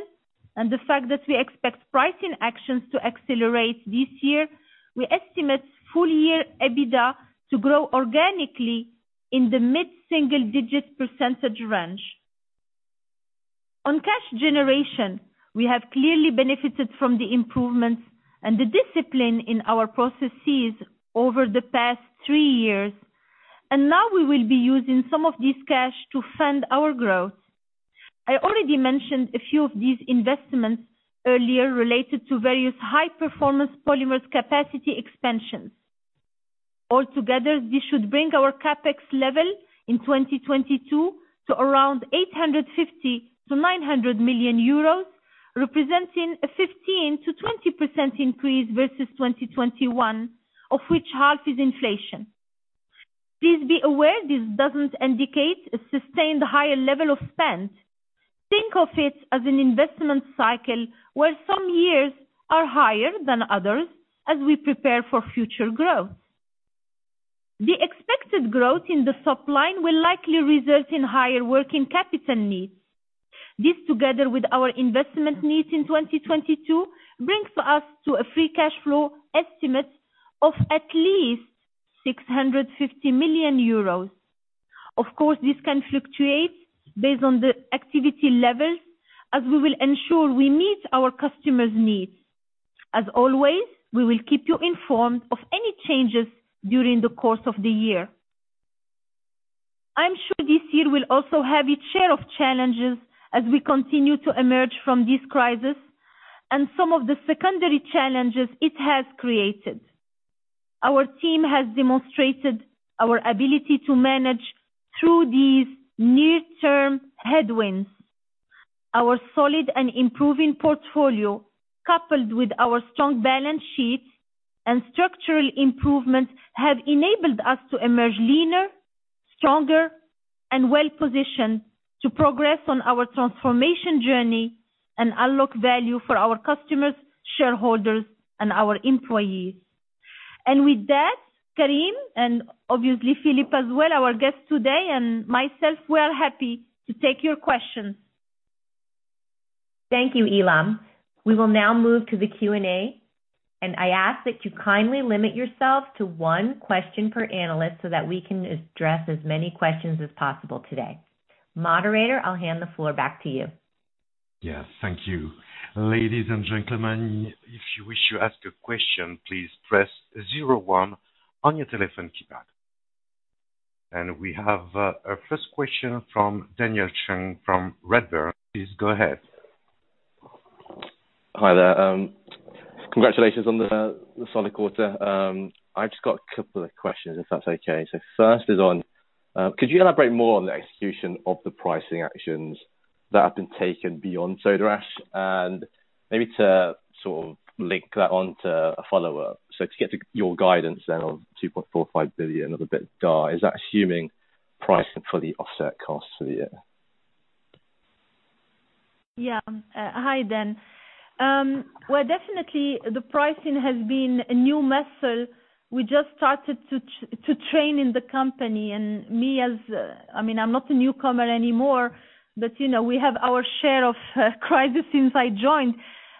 and the fact that we expect pricing actions to accelerate this year, we estimate full year EBITDA to grow organically in the mid-single digit % range. On cash generation, we have clearly benefited from the improvements and the discipline in our processes over the past three years, and now we will be using some of this cash to fund our growth. I already mentioned a few of these investments earlier related to various high performance polymers capacity expansions. All together, this should bring our CapEx level in 2022 to around 850 million-900 million euros, representing a 15%-20% increase versus 2021, of which half is inflation. Please be aware this doesn't indicate a sustained higher level of spend. Think of it as an investment cycle where some years are higher than others as we prepare for future growth. The expected growth in the top line will likely result in higher working capital needs. This, together with our investment needs in 2022, brings us to a free cash flow estimate of at least 650 million euros. Of course, this can fluctuate based on the activity levels as we will ensure we meet our customers' needs. As always, we will keep you informed of any changes during the course of the year. I'm sure this year will also have its share of challenges as we continue to emerge from this crisis and some of the secondary challenges it has created. Our team has demonstrated our ability to manage through these near-term headwinds. Our solid and improving portfolio, coupled with our strong balance sheet and structural improvements, have enabled us to emerge leaner, stronger, and well-positioned to progress on our transformation journey and unlock value for our customers, shareholders, and our employees. With that, Karim and obviously Philippe as well, our guests today, and myself we're happy to take your questions. Thank you, Ilham. We will now move to the Q&A, and I ask that you kindly limit yourself to one question per analyst so that we can address as many questions as possible today. Moderator, I'll hand the floor back to you. Yes, thank you. Ladies and gentlemen, if you wish to ask a question, please press zero one on your telephone keypad. We have our first question from Daniel Cheng from [Redburn]. Please go ahead. Hi there. Congratulations on the solid quarter. I've just got a couple of questions, if that's okay. First is on could you elaborate more on the execution of the pricing actions that have been taken beyond Soda Ash and maybe to sort of link that on to a follow-up. To get to your guidance then of 2.45 billion of EBITDA, is that assuming pricing fully offset costs for the year? Yeah. Hi, Dan. Well, definitely the pricing has been a new muscle we just started to train in the company. I mean, I'm not a newcomer anymore, but you know, we have our share of crises since I joined.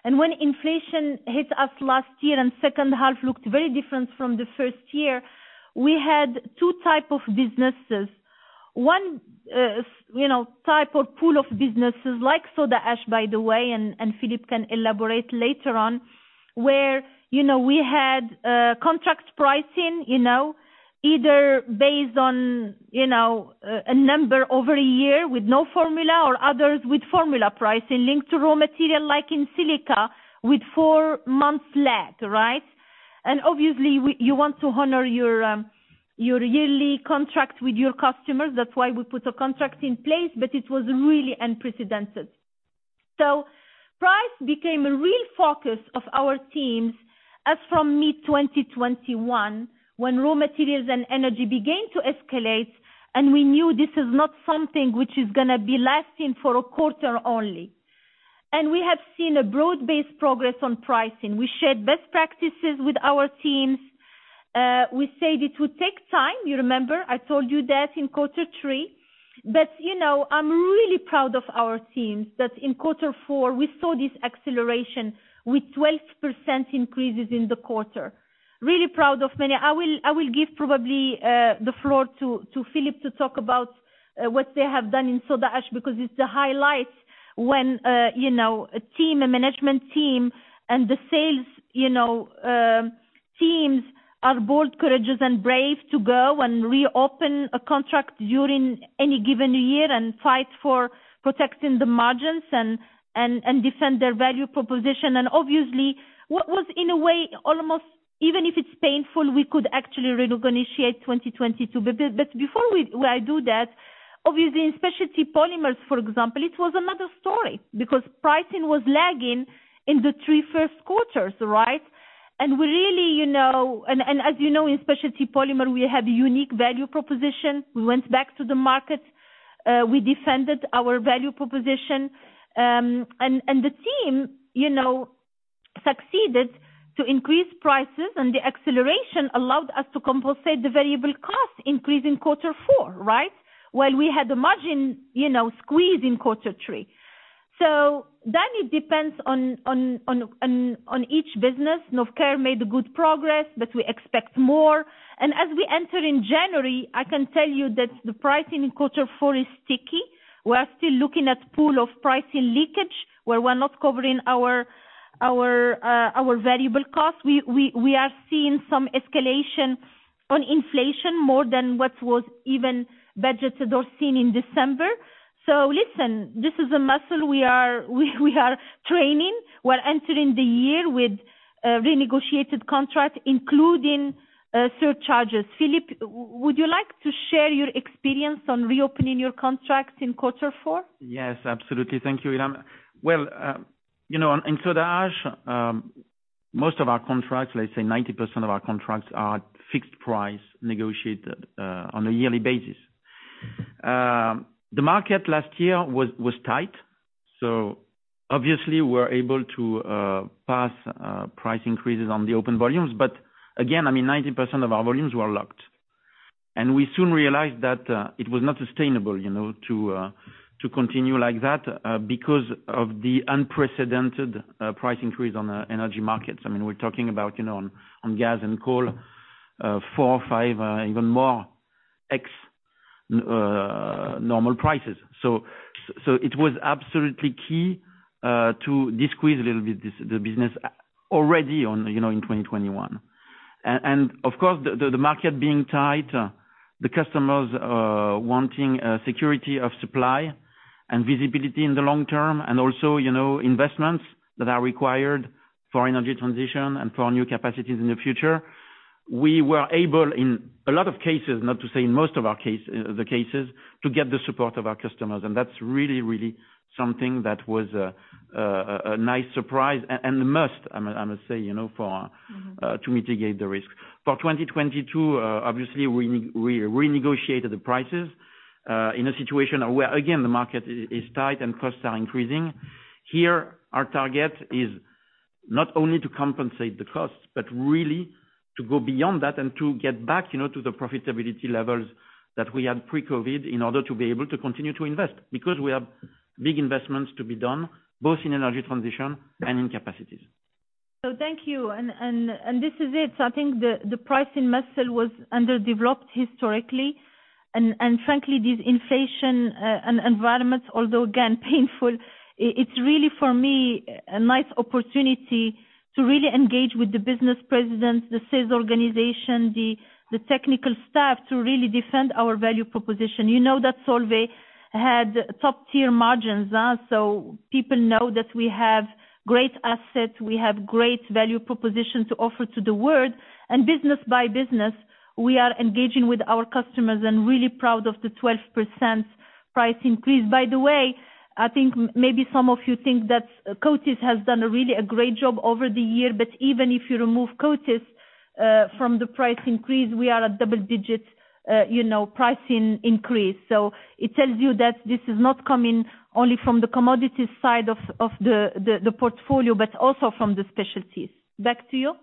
When inflation hit us last year and second half looked very different from the first year, we had two types of businesses. One, you know, type or pool of businesses like Soda Ash, by the way, and Philippe can elaborate later on, where you know, we had contract pricing, you know, either based on you know, a number over a year with no formula or others with formula pricing linked to raw material like in silica with four months lag, right? Obviously we want to honor your yearly contract with your customers. That's why we put a contract in place, but it was really unprecedented. Price became a real focus of our teams as from mid-2021 when raw materials and energy began to escalate, and we knew this is not something which is gonna be lasting for a quarter only. We have seen a broad-based progress on pricing. We shared best practices with our teams. We said it would take time. You remember I told you that in Q3. You know, I'm really proud of our teams that in Q4 we saw this acceleration with 12% increases in the quarter. Really proud of many. I will give probably the floor to Philippe to talk about what they have done in Soda Ash because it's the highlight when you know a team a management team and the sales you know teams are bold courageous and brave to go and reopen a contract during any given year and fight for protecting the margins and defend their value proposition. Obviously what was in a way almost even if it's painful we could actually reinitiate 2022. But before I do that obviously in Specialty Polymers for example it was another story because pricing was lagging in the three first quarters right? We really you know as you know in specialty polymer we have a unique value proposition. We went back to the market. We defended our value proposition. The team, you know, succeeded to increase prices, and the acceleration allowed us to compensate the variable cost increase in Q4, right? While we had a margin, you know, squeeze in Q3. It depends on each business. Novecare made good progress, but we expect more. As we enter in January, I can tell you that the pricing in Q4 is sticky. We are still looking at pool of pricing leakage, where we're not covering our variable costs. We are seeing some escalation on inflation more than what was even budgeted or seen in December. Listen, this is a muscle we are training. We're entering the year with renegotiated contract, including surcharges. Philippe, would you like to share your experience on reopening your contracts in Q4? Yes, absolutely. Thank you, Ilham. Well, you know, in Soda, most of our contracts, let's say 90% of our contracts are fixed price negotiated on a yearly basis. The market last year was tight, so obviously we're able to pass price increases on the open volumes. Again, I mean, 90% of our volumes were locked. We soon realized that it was not sustainable, you know, to continue like that because of the unprecedented price increase on the energy markets. I mean, we're talking about, you know, on gas and coal four or five, even more times normal prices. It was absolutely key to squeeze a little bit the business already, you know, in 2021. Of course, the market being tight, the customers wanting security of supply and visibility in the long term, and also, you know, investments that are required for energy transition and for new capacities in the future. We were able in a lot of cases, not to say in most of our cases, to get the support of our customers, and that's really something that was a nice surprise and a must, I must say, you know, to mitigate the risk. For 2022, obviously we renegotiated the prices in a situation where, again, the market is tight and costs are increasing. Here, our target is not only to compensate the costs, but really to go beyond that and to get back, you know, to the profitability levels that we had pre-COVID in order to be able to continue to invest. Because we have big investments to be done, both in energy transition and in capacities. Thank you. I think the price in Mesyl was underdeveloped historically and frankly, this inflation and environment, although again painful, it's really for me a nice opportunity to really engage with the business presidents, the sales organization, the technical staff, to really defend our value proposition. You know that Solvay had top-tier margins, so people know that we have great assets, we have great value proposition to offer to the world. Business by business, we are engaging with our customers and really proud of the 12% price increase. By the way, I think maybe some of you think that Coatis has done a really great job over the year, but even if you remove Coatis from the price increase, we are at double digits, you know, pricing increase. It tells you that this is not coming only from the commodity side of the portfolio, but also from the specialties. Back to you.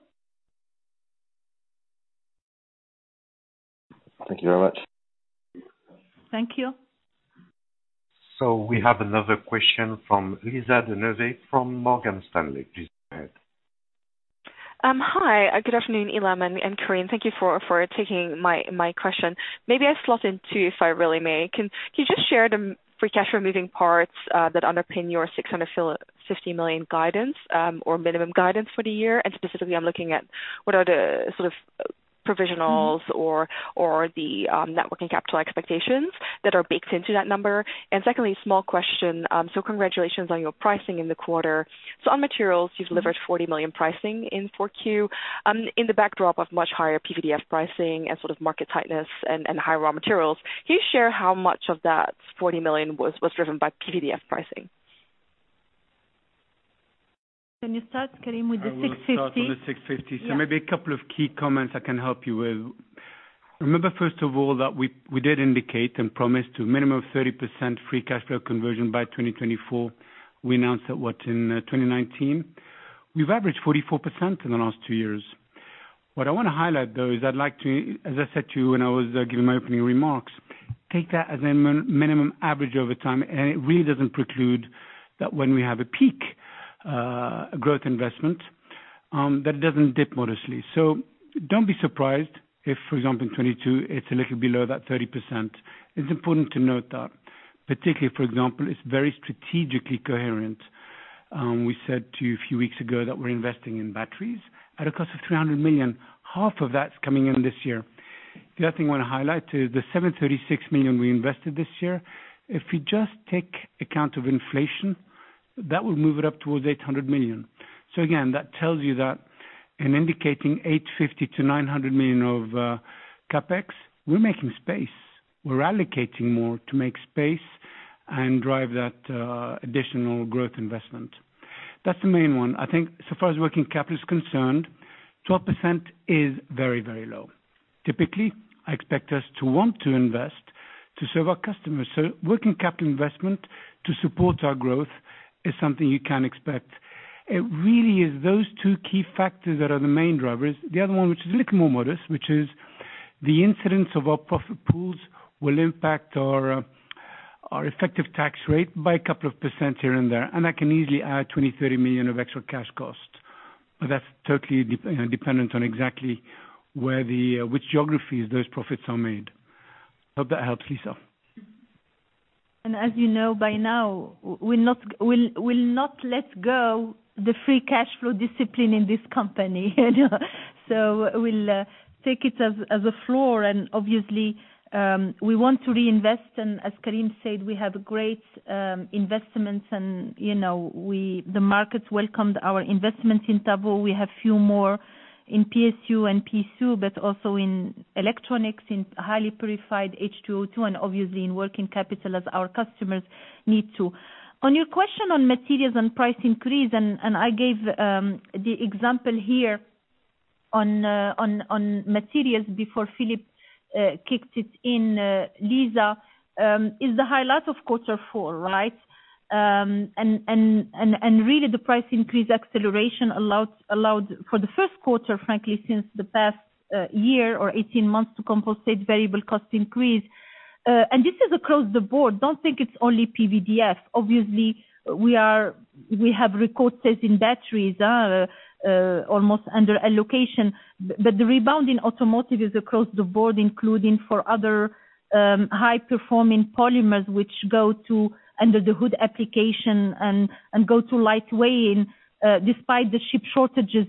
Thank you very much. Thank you. We have another question from Lisa De Neve from Morgan Stanley. Please go ahead. Hi. Good afternoon, Ilham and Karim. Thank you for taking my question. Maybe I slot in two, if I really may. Can you just share the free cash flow components that underpin your 650 million guidance or minimum guidance for the year? Specifically, I'm looking at what are the sort of provisionals or the net working capital expectations that are baked into that number. Secondly, small question. Congratulations on your pricing in the quarter. On materials, you've delivered 40 million pricing in 4Q in the backdrop of much higher PVDF pricing and sort of market tightness and higher raw materials. Can you share how much of that 40 million was driven by PVDF pricing? Can you start, Karim, with the 650? I will start with the 650. Yeah. Maybe a couple of key comments I can help you with. Remember first of all, that we did indicate and promise to a minimum of 30% free cash flow conversion by 2024. We announced that in 2019. We've averaged 44% in the last two years. What I wanna highlight though, is I'd like to, as I said to you when I was giving my opening remarks, take that as a minimum average over time, and it really doesn't preclude that when we have a peak growth investment that it doesn't dip modestly. Don't be surprised if, for example, in 2022, it's a little below that 30%. It's important to note that, particularly, for example, it's very strategically coherent. We said to you a few weeks ago that we're investing in batteries at a cost of 300 million. Half of that's coming in this year. The other thing I wanna highlight is the 736 million we invested this year. If you just take account of inflation, that will move it up towards 800 million. Again, that tells you that in indicating 850 million-900 million of CapEx, we're making space. We're allocating more to make space and drive that additional growth investment. That's the main one. I think so far as working capital is concerned, 12% is very, very low. Typically, I expect us to want to invest to serve our customers. Working capital investment to support our growth is something you can expect. It really is those two key factors that are the main drivers. The other one, which is a little more modest, which is the incidence of our profit pools, will impact our effective tax rate by a couple of % here and there. That can easily add 20 million-30 million of extra cash costs. That's totally dependent on exactly where which geographies those profits are made. Hope that helps, Lisa. As you know by now, we'll not let go the free cash flow discipline in this company. We'll take it as a floor. Obviously, we want to reinvest. As Karim said, we have great investments and, you know, the markets welcomed our investments in Tavaux. We have few more in PSU, but also in electronics, in highly purified H₂O₂, and obviously in working capital as our customers need to. On your question on materials and price increase, I gave the example here on materials before Philippe kicked it in, Lisa is the highlight of Q4, right? Really, the price increase acceleration allowed for the Q1, frankly, since the past year or 18 months to compensate variable cost increase. This is across the board. Don't think it's only PVDF. Obviously, we have record sales in batteries, almost under allocation. The rebound in automotive is across the board, including for other high performing polymers, which go to under the hood application and go to lightweight. Despite the chip shortages,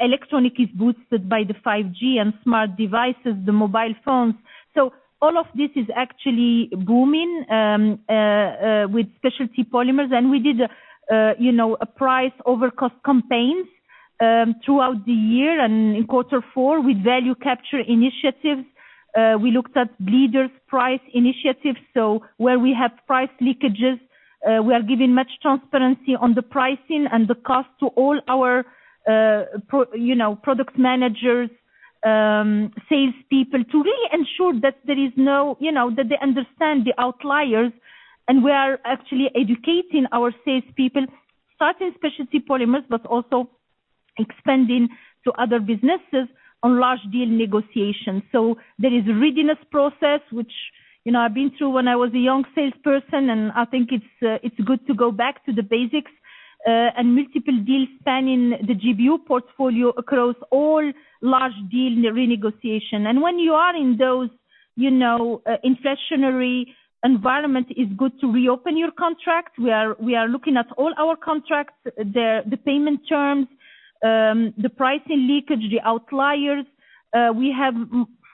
electronics is boosted by the 5G and smart devices, the mobile phones. All of this is actually booming with specialty polymers. We did a price over cost campaigns throughout the year and in Q4 with value capture initiatives. We looked at price leadership initiatives. Where we have price leakages, we are giving much transparency on the pricing and the cost to all our, you know, product managers, salespeople, to really ensure that there is no, you know, that they understand the outliers. We are actually educating our salespeople, starting Specialty Polymers, but also expanding to other businesses on large deal negotiations. There is readiness process, which, you know, I've been through when I was a young salesperson, and I think it's good to go back to the basics. Multiple deals spanning the GBU portfolio across all large deal renegotiation. When you are in those, you know, inflationary environment, it's good to reopen your contract. We are looking at all our contracts, the payment terms, the pricing leakage, the outliers. We have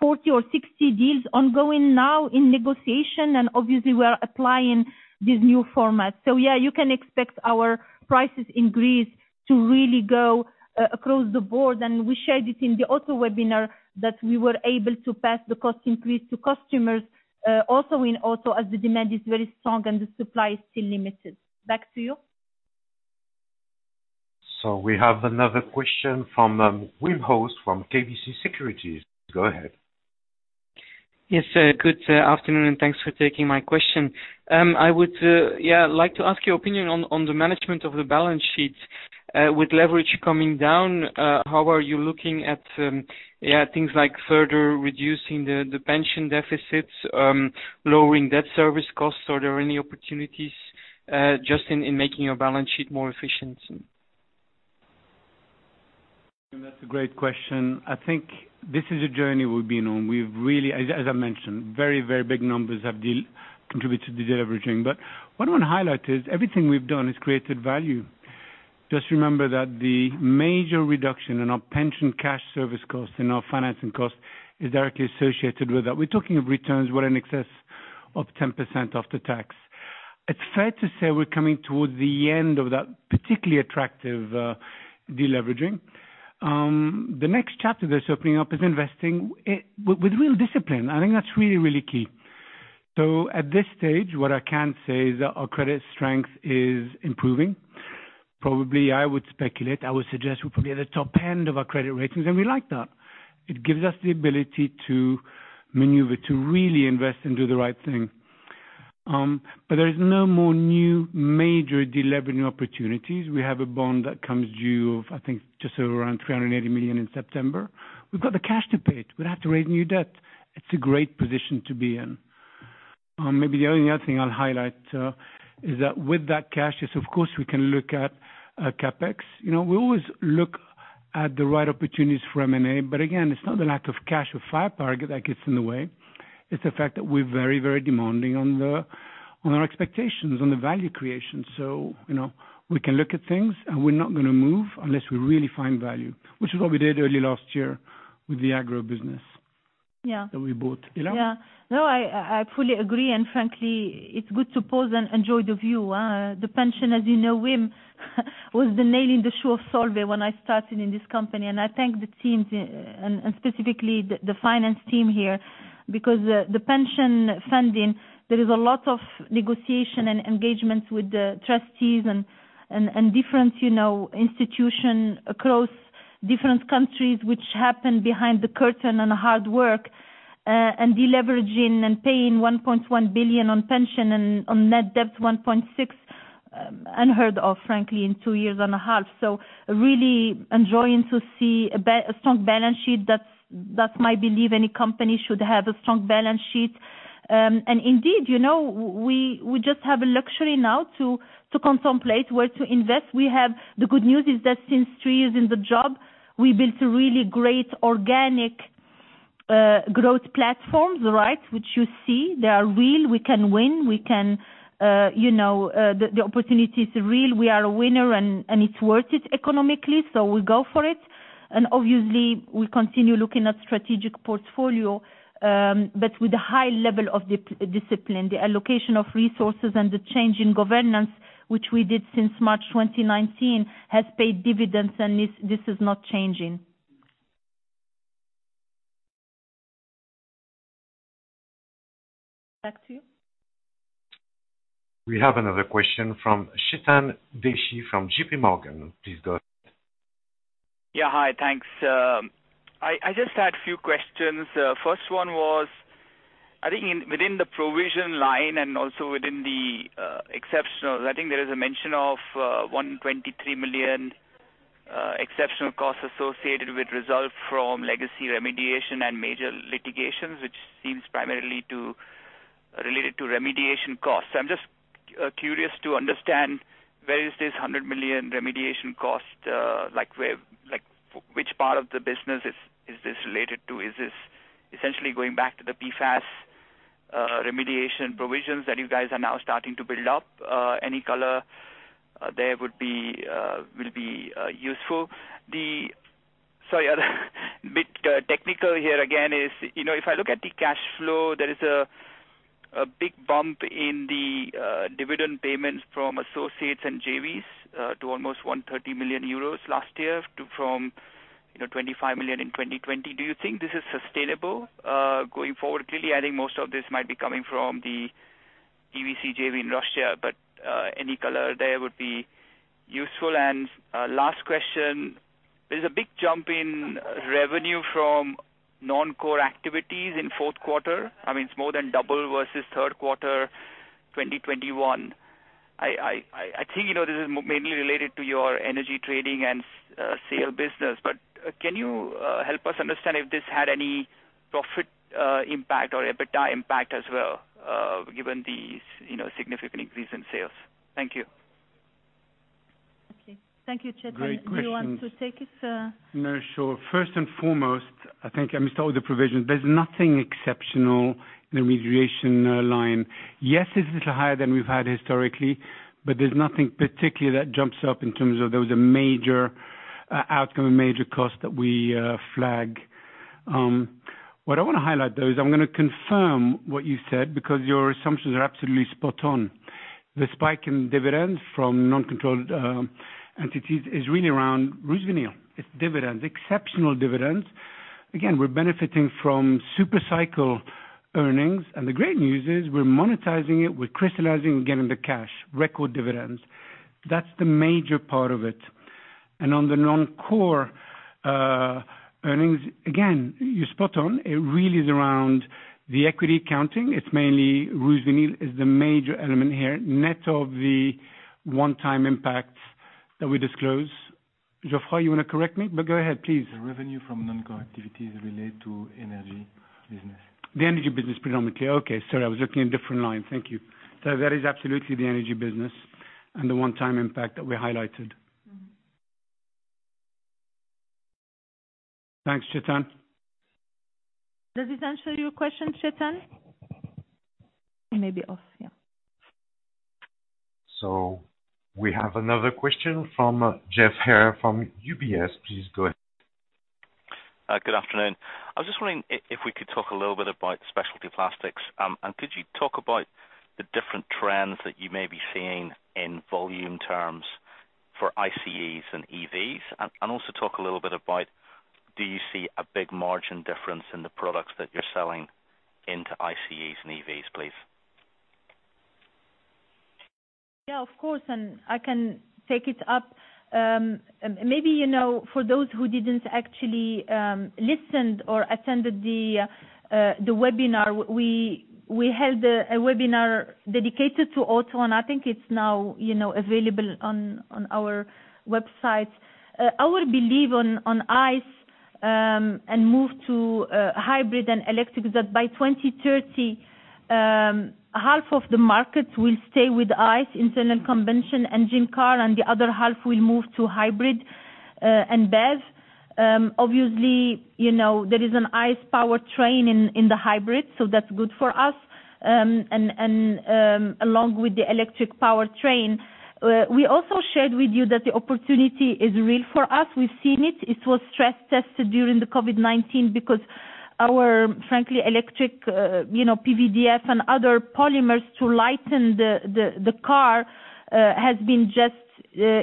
40 or 60 deals ongoing now in negotiation, and obviously we are applying these new formats. Yeah, you can expect our prices increase to really go across the board. We shared it in the auto webinar that we were able to pass the cost increase to customers, also in auto as the demand is very strong and the supply is still limited. Back to you. We have another question from Wim Hoste from KBC Securities. Go ahead. Yes, good afternoon, and thanks for taking my question. I would like to ask your opinion on the management of the balance sheet. With leverage coming down, how are you looking at things like further reducing the pension deficits, lowering debt service costs? Are there any opportunities just in making your balance sheet more efficient? That's a great question. I think this is a journey we've been on. We've really, as I mentioned, very big numbers have contributed to the deleveraging. What I want to highlight is everything we've done has created value. Just remember that the major reduction in our pension cash service costs and our financing costs is directly associated with that. We're talking of returns in excess of 10% after tax. It's fair to say we're coming towards the end of that particularly attractive deleveraging. The next chapter that's opening up is investing with real discipline. I think that's really key. At this stage, what I can say is that our credit strength is improving. Probably, I would speculate, I would suggest we're probably at the top end of our credit ratings, and we like that. It gives us the ability to maneuver, to really invest and do the right thing. There is no more new major deleveraging opportunities. We have a bond that comes due of, I think, just over around 380 million in September. We've got the cash to pay it. We don't have to raise new debt. It's a great position to be in. Maybe the only other thing I'll highlight is that with that cash, of course, we can look at CapEx. You know, we always look at the right opportunities for M&A, but again, it's not the lack of cash or firepower that gets in the way. It's the fact that we're very, very demanding on our expectations, on the value creation. You know, we can look at things, and we're not gonna move unless we really find value, which is what we did early last year with the agro business. Yeah. that we bought. Ilham Kadri? Yeah. No, I fully agree. Frankly, it's good to pause and enjoy the view. The pension, as you know, Wim, was the nail in the shoe of Solvay when I started in this company. I thank the teams, and specifically the finance team here, because the pension funding, there is a lot of negotiation and engagement with the trustees and different institutions across different countries which happened behind the curtain and hard work, and deleveraging and paying 1.1 billion on pension and on net debt 1.6 billion, unheard of, frankly, in two years and a half. Really enjoying to see a strong balance sheet. That's my belief. Any company should have a strong balance sheet. Indeed, you know, we just have a luxury now to contemplate where to invest. We have. The good news is that since three years in the job, we built a really great organic growth platforms, right? Which you see. They are real, we can win, we can, you know, the opportunity is real. We are a winner and it's worth it economically, so we go for it. Obviously, we continue looking at strategic portfolio, but with a high level of discipline. The allocation of resources and the change in governance, which we did since March 2019, has paid dividends and this is not changing. Back to you. We have another question from Chetan Udeshi from JPMorgan. Please go ahead. Yeah. Hi, thanks. I just had few questions. First one was, I think within the provision line and also within the exceptional, I think there is a mention of 123 million exceptional costs associated with results from legacy remediation and major litigations, which seems primarily related to remediation costs. I'm just curious to understand where this 100 million remediation cost, like where. Like, which part of the business is this related to? Is this essentially going back to the PFAS remediation provisions that you guys are now starting to build up? Any color there would be useful. Sorry, a bit technical here again. You know, if I look at the cash flow, there is a big bump in the dividend payments from associates and JVs from 25 million in 2020 to almost EUR 130 million last year. Do you think this is sustainable going forward? Clearly, I think most of this might be coming from the EVC JV in Russia, but any color there would be useful. Last question, there's a big jump in revenue from non-core activities in Q4. I mean, it's more than double versus Q3 2021. I think, you know, this is mainly related to your energy trading and sale business, but can you help us understand if this had any profit impact or EBITDA impact as well, given the, you know, significant increase in sales? Thank you. Okay. Thank you, Chetan. Great questions. Do you want to take it? No, sure. First and foremost, I think, let me start with the provision. There's nothing exceptional in the remediation line. Yes, it's a little higher than we've had historically, but there's nothing particular that jumps up in terms of there was a major outcome, a major cost that we flag. What I wanna highlight though is I'm gonna confirm what you said because your assumptions are absolutely spot on. The spike in dividends from non-controlled entities is really around RusVinyl. It's dividends, exceptional dividends. Again, we're benefiting from super cycle earnings. The great news is we're monetizing it, we're crystallizing, we're getting the cash, record dividends. That's the major part of it. On the non-core earnings, again, you're spot on. It really is around the equity accounting. It's mainly revenue is the major element here, net of the one-time impacts that we disclose. Geoffroy, you wanna correct me? Go ahead, please. The revenue from non-core activities relate to the energy business predominantly. Okay. Sorry, I was looking at a different line. Thank you. That is absolutely the energy business and the one-time impact that we highlighted. Mm-hmm. Thanks, Chetan. Does this answer your question, Chetan? He may be off. Yeah. We have another question from Geoff Haire from UBS. Please go ahead. Good afternoon. I was just wondering if we could talk a little bit about Specialty Polymers. Could you talk about the different trends that you may be seeing in volume terms for ICEs and EVs? Also talk a little bit about, do you see a big margin difference in the products that you're selling into ICEs and EVs, please? Yeah, of course. I can take it up. Maybe, you know, for those who didn't actually listened or attended the webinar, we held a webinar dedicated to auto, and I think it's now, you know, available on our website. Our belief on ICE and move to hybrid and electric is that by 2030, half of the market will stay with ICE, internal combustion engine car, and the other half will move to hybrid and BEV. Obviously, you know, there is an ICE powertrain in the hybrid, so that's good for us. Along with the electric powertrain, we also shared with you that the opportunity is real for us. We've seen it. It was stress tested during the COVID-19 because our frankly electric, you know, PVDF and other polymers to lighten the car has been just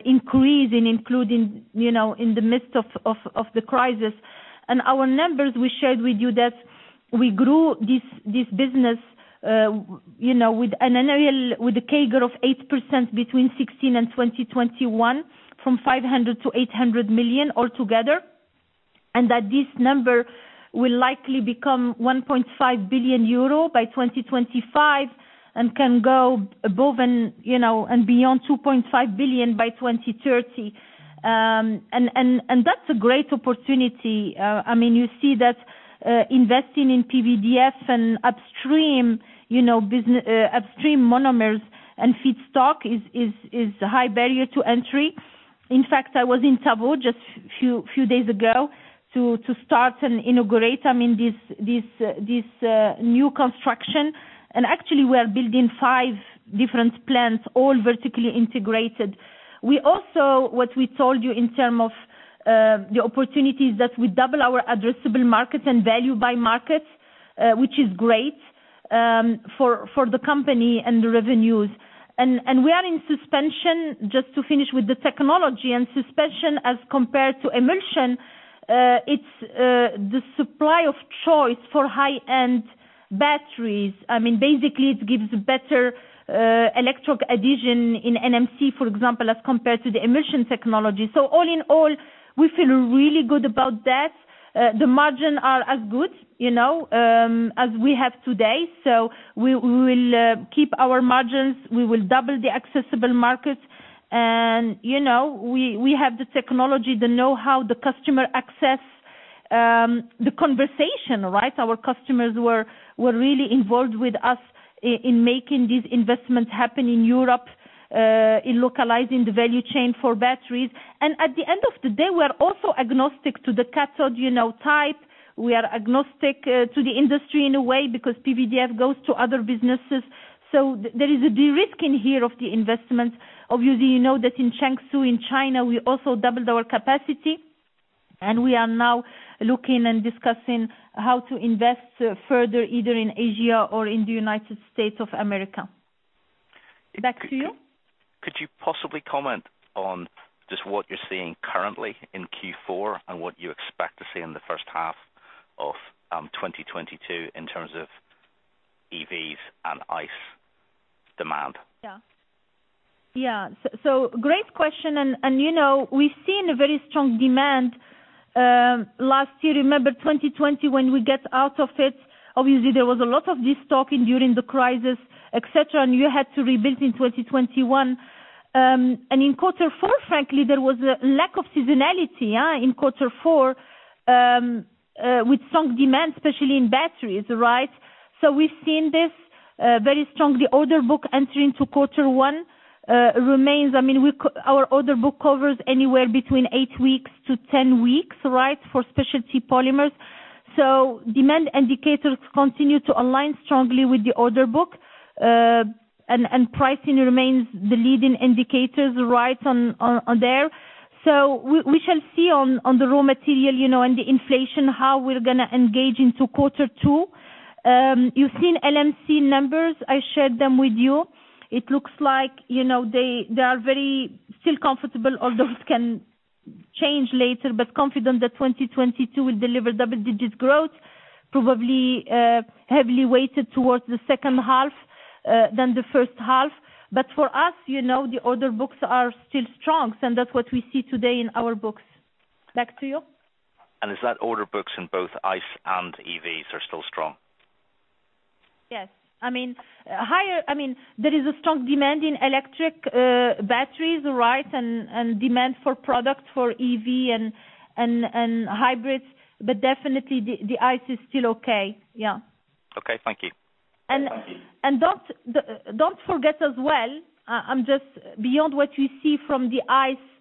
increasing, including, you know, in the midst of the crisis. Our numbers, we shared with you that we grew this business, you know, with a CAGR of 8% between 2016 and 2021, from 500 million to 800 million altogether. That this number will likely become 1.5 billion euro by 2025 and can go above and, you know, and beyond 2.5 billion by 2030. That's a great opportunity. I mean, you see that investing in PVDF and upstream, you know, upstream monomers and feedstock is high barrier to entry. In fact, I was in Tavaux just few days ago to start and integrate, I mean, this new construction. Actually we are building five different plants, all vertically integrated. We also, what we told you in terms of the opportunities that we double our addressable market and value by market, which is great, for the company and the revenues. We are in suspension just to finish with the technology. Suspension as compared to emulsion, it's the supply of choice for high-end batteries. I mean, basically it gives better electric addition in NMC, for example, as compared to the emulsion technology. All in all, we feel really good about that. The margins are as good as we have today. We will keep our margins, we will double the accessible market. We have the technology, the know-how, the customer access, the conversation, right? Our customers were really involved with us in making these investments happen in Europe, in localizing the value chain for batteries. At the end of the day, we're also agnostic to the cathode type. We are agnostic to the industry in a way because PVDF goes to other businesses. There is a de-risking here of the investment. Obviously, you know that in Changshu, in China, we also doubled our capacity and we are now looking and discussing how to invest further, either in Asia or in the United States of America. Back to you. Could you possibly comment on just what you're seeing currently in Q4 and what you expect to see in the first half of 2022 in terms of EVs and ICE demand? Great question and you know, we've seen a very strong demand last year. Remember 2020 when we get out of it, obviously there was a lot of this talking during the crisis, et cetera, and you had to rebuild in 2021. In Q4, frankly, there was a lack of seasonality in Q4 with strong demand, especially in batteries, right? We've seen this very strongly. Order book entering into Q1 remains. I mean, our order book covers anywhere between eight weeks-10 weeks, right? For Specialty Polymers. Demand indicators continue to align strongly with the order book, and pricing remains the leading indicators right on there. We shall see on the raw material, you know, and the inflation, how we're gonna engage into Q2. You've seen LMC numbers, I shared them with you. It looks like, you know, they are very still comfortable, although it can change later, but confident that 2022 will deliver double-digit growth, probably heavily weighted towards the second half than the first half. For us, you know, the order books are still strong, and that's what we see today in our books. Back to you. Is that order books in both ICE and EVs are still strong? Yes. I mean, there is a strong demand in electric batteries, right, and demand for products for EV and hybrids, but definitely the ICE is still okay. Yeah. Okay. Thank you. Don't forget as well, just beyond what you see from the ICE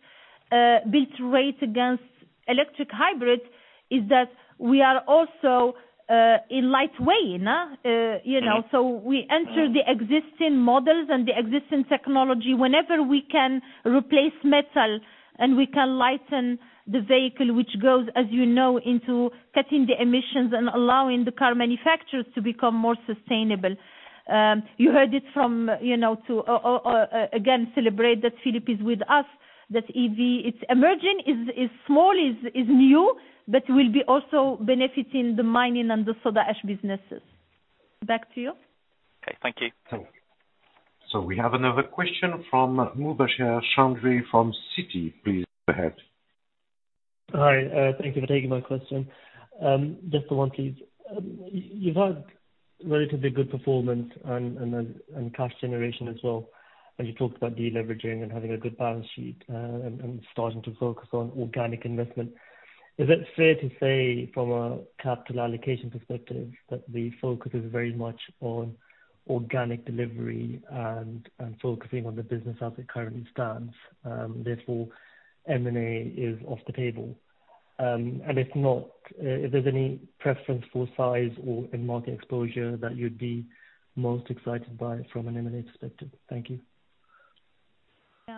build rate against electric hybrids is that we are also in lightweight, you know. Mm-hmm. We enter the existing models and the existing technology. Whenever we can replace metal and we can lighten the vehicle, which goes, as you know, into cutting the emissions and allowing the car manufacturers to become more sustainable. You heard it from, you know, again, celebrate that Philippe is with us, that EV, it's emerging, is small, is new, but will be also benefiting the mining and the Soda Ash businesses. Back to you. Okay. Thank you. Thank you. We have another question from Mubasher Chaudhry from Citi. Please go ahead. Hi. Thank you for taking my question. Just the one please. You've had relatively good performance and cash generation as well, and you talked about deleveraging and having a good balance sheet and starting to focus on organic investment. Is it fair to say from a capital allocation perspective that the focus is very much on organic delivery and focusing on the business as it currently stands, therefore M&A is off the table? And if not, if there's any preference for size or in market exposure that you'd be most excited by from an M&A perspective. Thank you.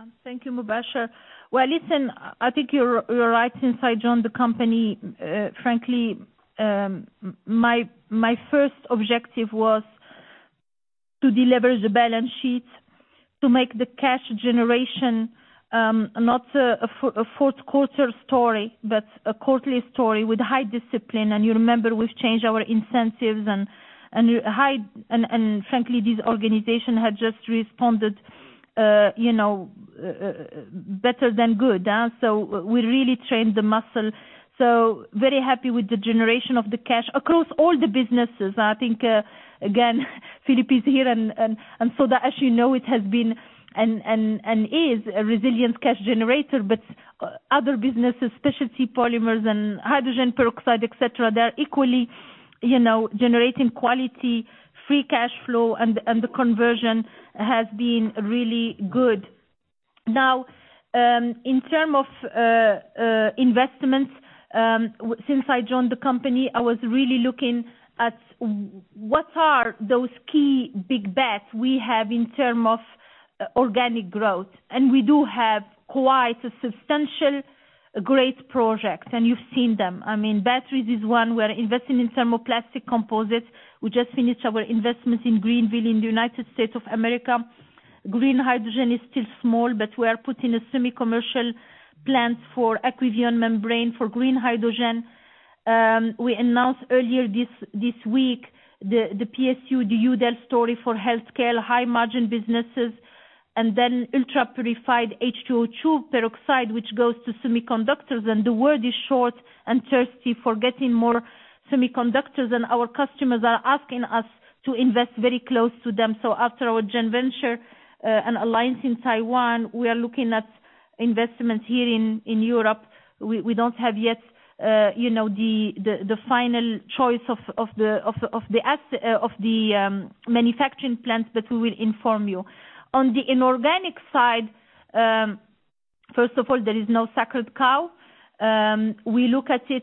Yeah. Thank you, Mubasher. Well, listen, I think you're right. Since I joined the company, frankly, my first objective was to deleverage the balance sheet, to make the cash generation, not a Q4 story, but a quarterly story with high discipline. You remember we've changed our incentives and frankly, this organization had just responded, you know, better than good, yeah. We really trained the muscle. Very happy with the generation of the cash across all the businesses. I think, again, Philippe is here and so that as you know, it has been and is a resilient cash generator, but other businesses, Specialty Polymers and hydrogen peroxide, et cetera, they're equally, you know, generating quality, free cash flow and the conversion has been really good. Now, in terms of investments, since I joined the company, I was really looking at what are those key big bets we have in terms of organic growth. We do have quite a substantial great projects, and you've seen them. I mean, batteries is one. We're investing in thermoplastic composites. We just finished our investments in Greenville in the United States of America. Green hydrogen is still small, but we are putting a semi-commercial plant for Aquivion membrane for green hydrogen. We announced earlier this week the PSU, the Udel story for healthcare, high-margin businesses, and then ultra-purified H₂O₂ peroxide, which goes to semiconductors. The world is short and thirsty for getting more semiconductors, and our customers are asking us to invest very close to them. After our joint venture and alliance in Taiwan, we are looking at investments here in Europe. We don't have yet the final choice of the manufacturing plant, but we will inform you. On the inorganic side, first of all, there is no sacred cow. We look at it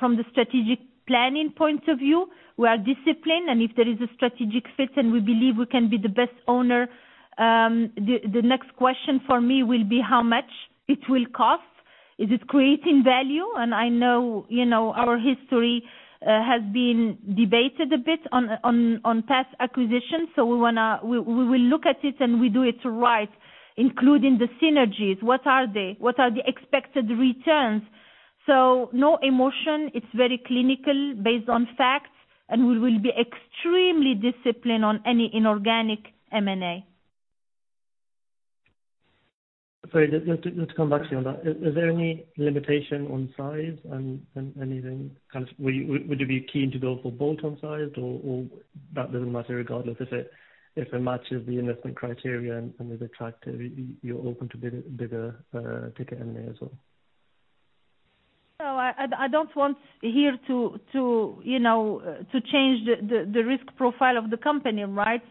from the strategic planning point of view, we are disciplined, and if there is a strategic fit and we believe we can be the best owner, the next question for me will be how much it will cost. Is it creating value? I know our history has been debated a bit on past acquisitions, so we will look at it and we do it right, including the synergies. What are they? What are the expected returns? No emotion. It's very clinical, based on facts, and we will be extremely disciplined on any inorganic M&A. Sorry. Just to come back to you on that. Is there any limitation on size and anything? Would you be keen to go for bolt-on size or that doesn't matter regardless if it matches the investment criteria and is attractive, you're open to bigger ticket M&A as well? No. I don't want here to you know to change the risk profile of the company, right?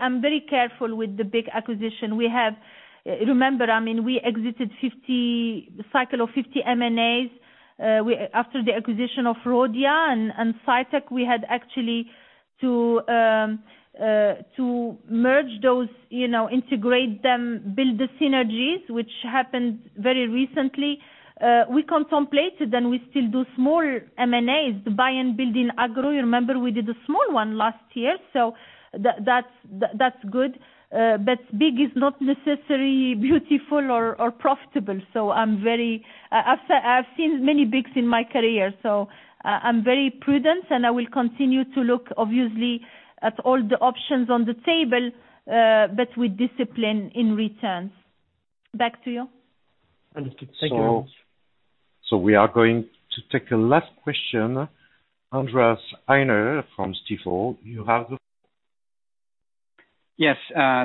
I'm very careful with the big acquisition. Remember, I mean, we exited a cycle of 50 M&As after the acquisition of Rhodia and Cytec. We had actually to merge those, you know, integrate them, build the synergies, which happened very recently. We contemplated, and we still do small M&As to buy and build in agro. You remember we did a small one last year. That's good. Big is not necessarily beautiful or profitable. I've seen many bigs in my career. I'm very prudent and I will continue to look obviously at all the options on the table, but with discipline in returns. Back to you. Understood. Thank you. We are going to take a last question. Andreas Heine from Stifel. You have the floor. Yes.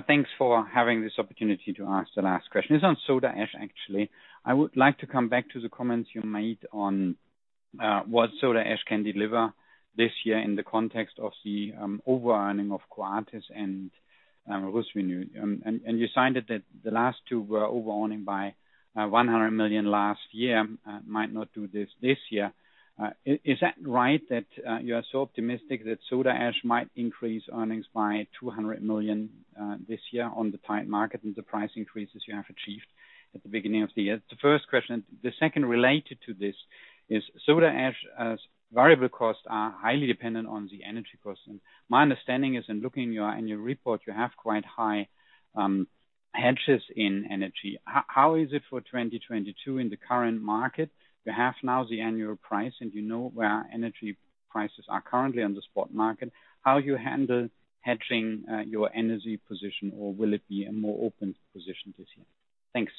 Thanks for having this opportunity to ask the last question. It's on soda ash, actually. I would like to come back to the comments you made on what soda ash can deliver this year in the context of the over-earning of Coatis and RusVinyl. And you said that the last two were over-earning by 100 million last year, might not do this year. Is that right that you are so optimistic that soda ash might increase earnings by 200 million this year on the tight market and the price increases you have achieved at the beginning of the year? The first question. The second related to this is soda ash variable costs are highly dependent on the energy costs. My understanding is in looking at your report, you have quite high hedges in energy. How is it for 2022 in the current market? You have now the annual price, and you know where energy prices are currently on the spot market. How you handle hedging your energy position or will it be a more open position this year? Thanks.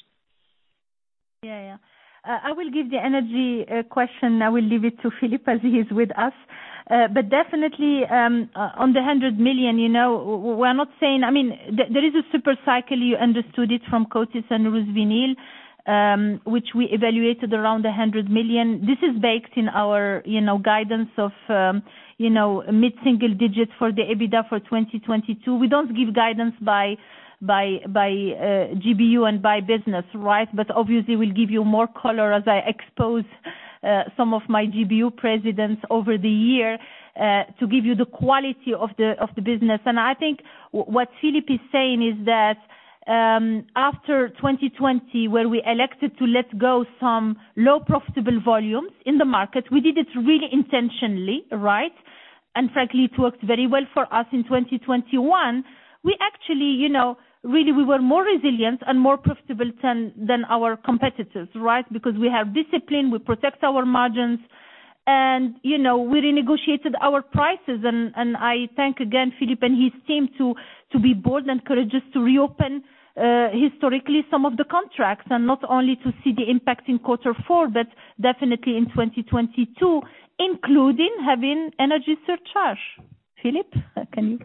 Yeah, yeah. I will give the energy question. I will leave it to Philippe as he's with us. But definitely, on the 100 million, you know, we're not saying. I mean, there is a super cycle, you understood it from Coatis and Rusvinyl, which we evaluated around 100 million. This is baked in our, you know, guidance of, you know, mid-single-digit % for the EBITDA for 2022. We don't give guidance by GBU and by business, right? But obviously, we'll give you more color as I expose some of my GBU presidents over the year to give you the quality of the business. I think what Philippe is saying is that, after 2020, where we elected to let go some low profitable volumes in the market, we did it really intentionally, right? Frankly, it worked very well for us in 2021. We actually, you know, really, we were more resilient and more profitable than our competitors, right? Because we have discipline, we protect our margins, and, you know, we renegotiated our prices. I thank again Philippe and his team to be bold and courageous to reopen historically some of the contracts, and not only to see the impact in Q4, but definitely in 2022, including having energy surcharge. Philippe, can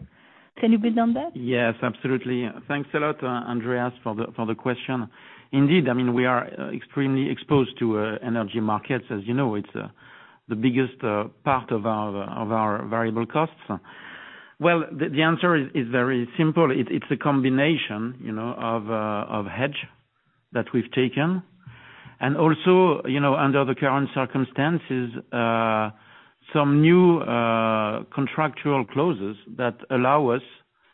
you build on that? Yes, absolutely. Thanks a lot, Andreas, for the question. Indeed, I mean, we are extremely exposed to energy markets, as you know, it's the biggest part of our variable costs. Well, the answer is very simple. It's a combination, you know, of a hedge that we've taken, and also, you know, under the current circumstances, some new contractual clauses that allow us,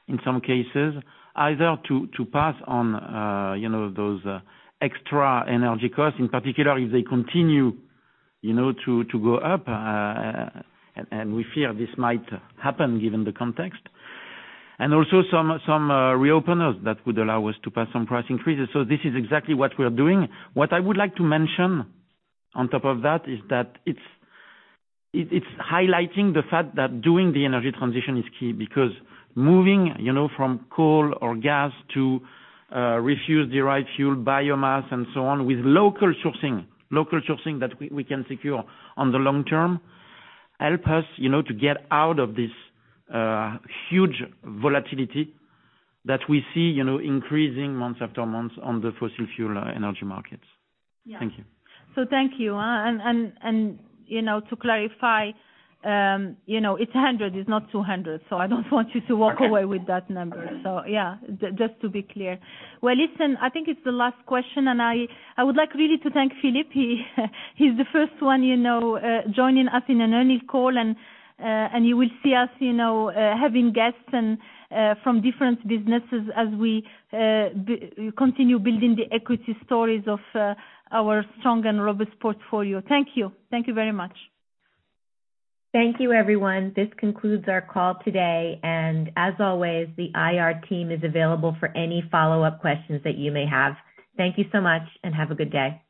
in some cases, either to pass on, you know, those extra energy costs, in particular, if they continue, you know, to go up, and we fear this might happen given the context. Also some reopeners that would allow us to pass some price increases. This is exactly what we're doing. What I would like to mention on top of that is that it's highlighting the fact that doing the energy transition is key. Because moving, you know, from coal or gas to refuse derived fuel, biomass, and so on, with local sourcing that we can secure on the long term, help us, you know, to get out of this huge volatility that we see, you know, increasing month after month on the fossil fuel energy markets. Yeah. Thank you. Thank you. And you know, to clarify, you know, it's 100, it's not 200, so I don't want you to walk away with that number. Yeah, just to be clear. Well, listen, I think it's the last question, and I would like really to thank Philippe. He's the first one, you know, joining us in an earnings call, and you will see us, you know, having guests and from different businesses as we continue building the equity stories of our strong and robust portfolio. Thank you. Thank you very much. Thank you everyone. This concludes our call today, and as always, the IR team is available for any follow-up questions that you may have. Thank you so much and have a good day.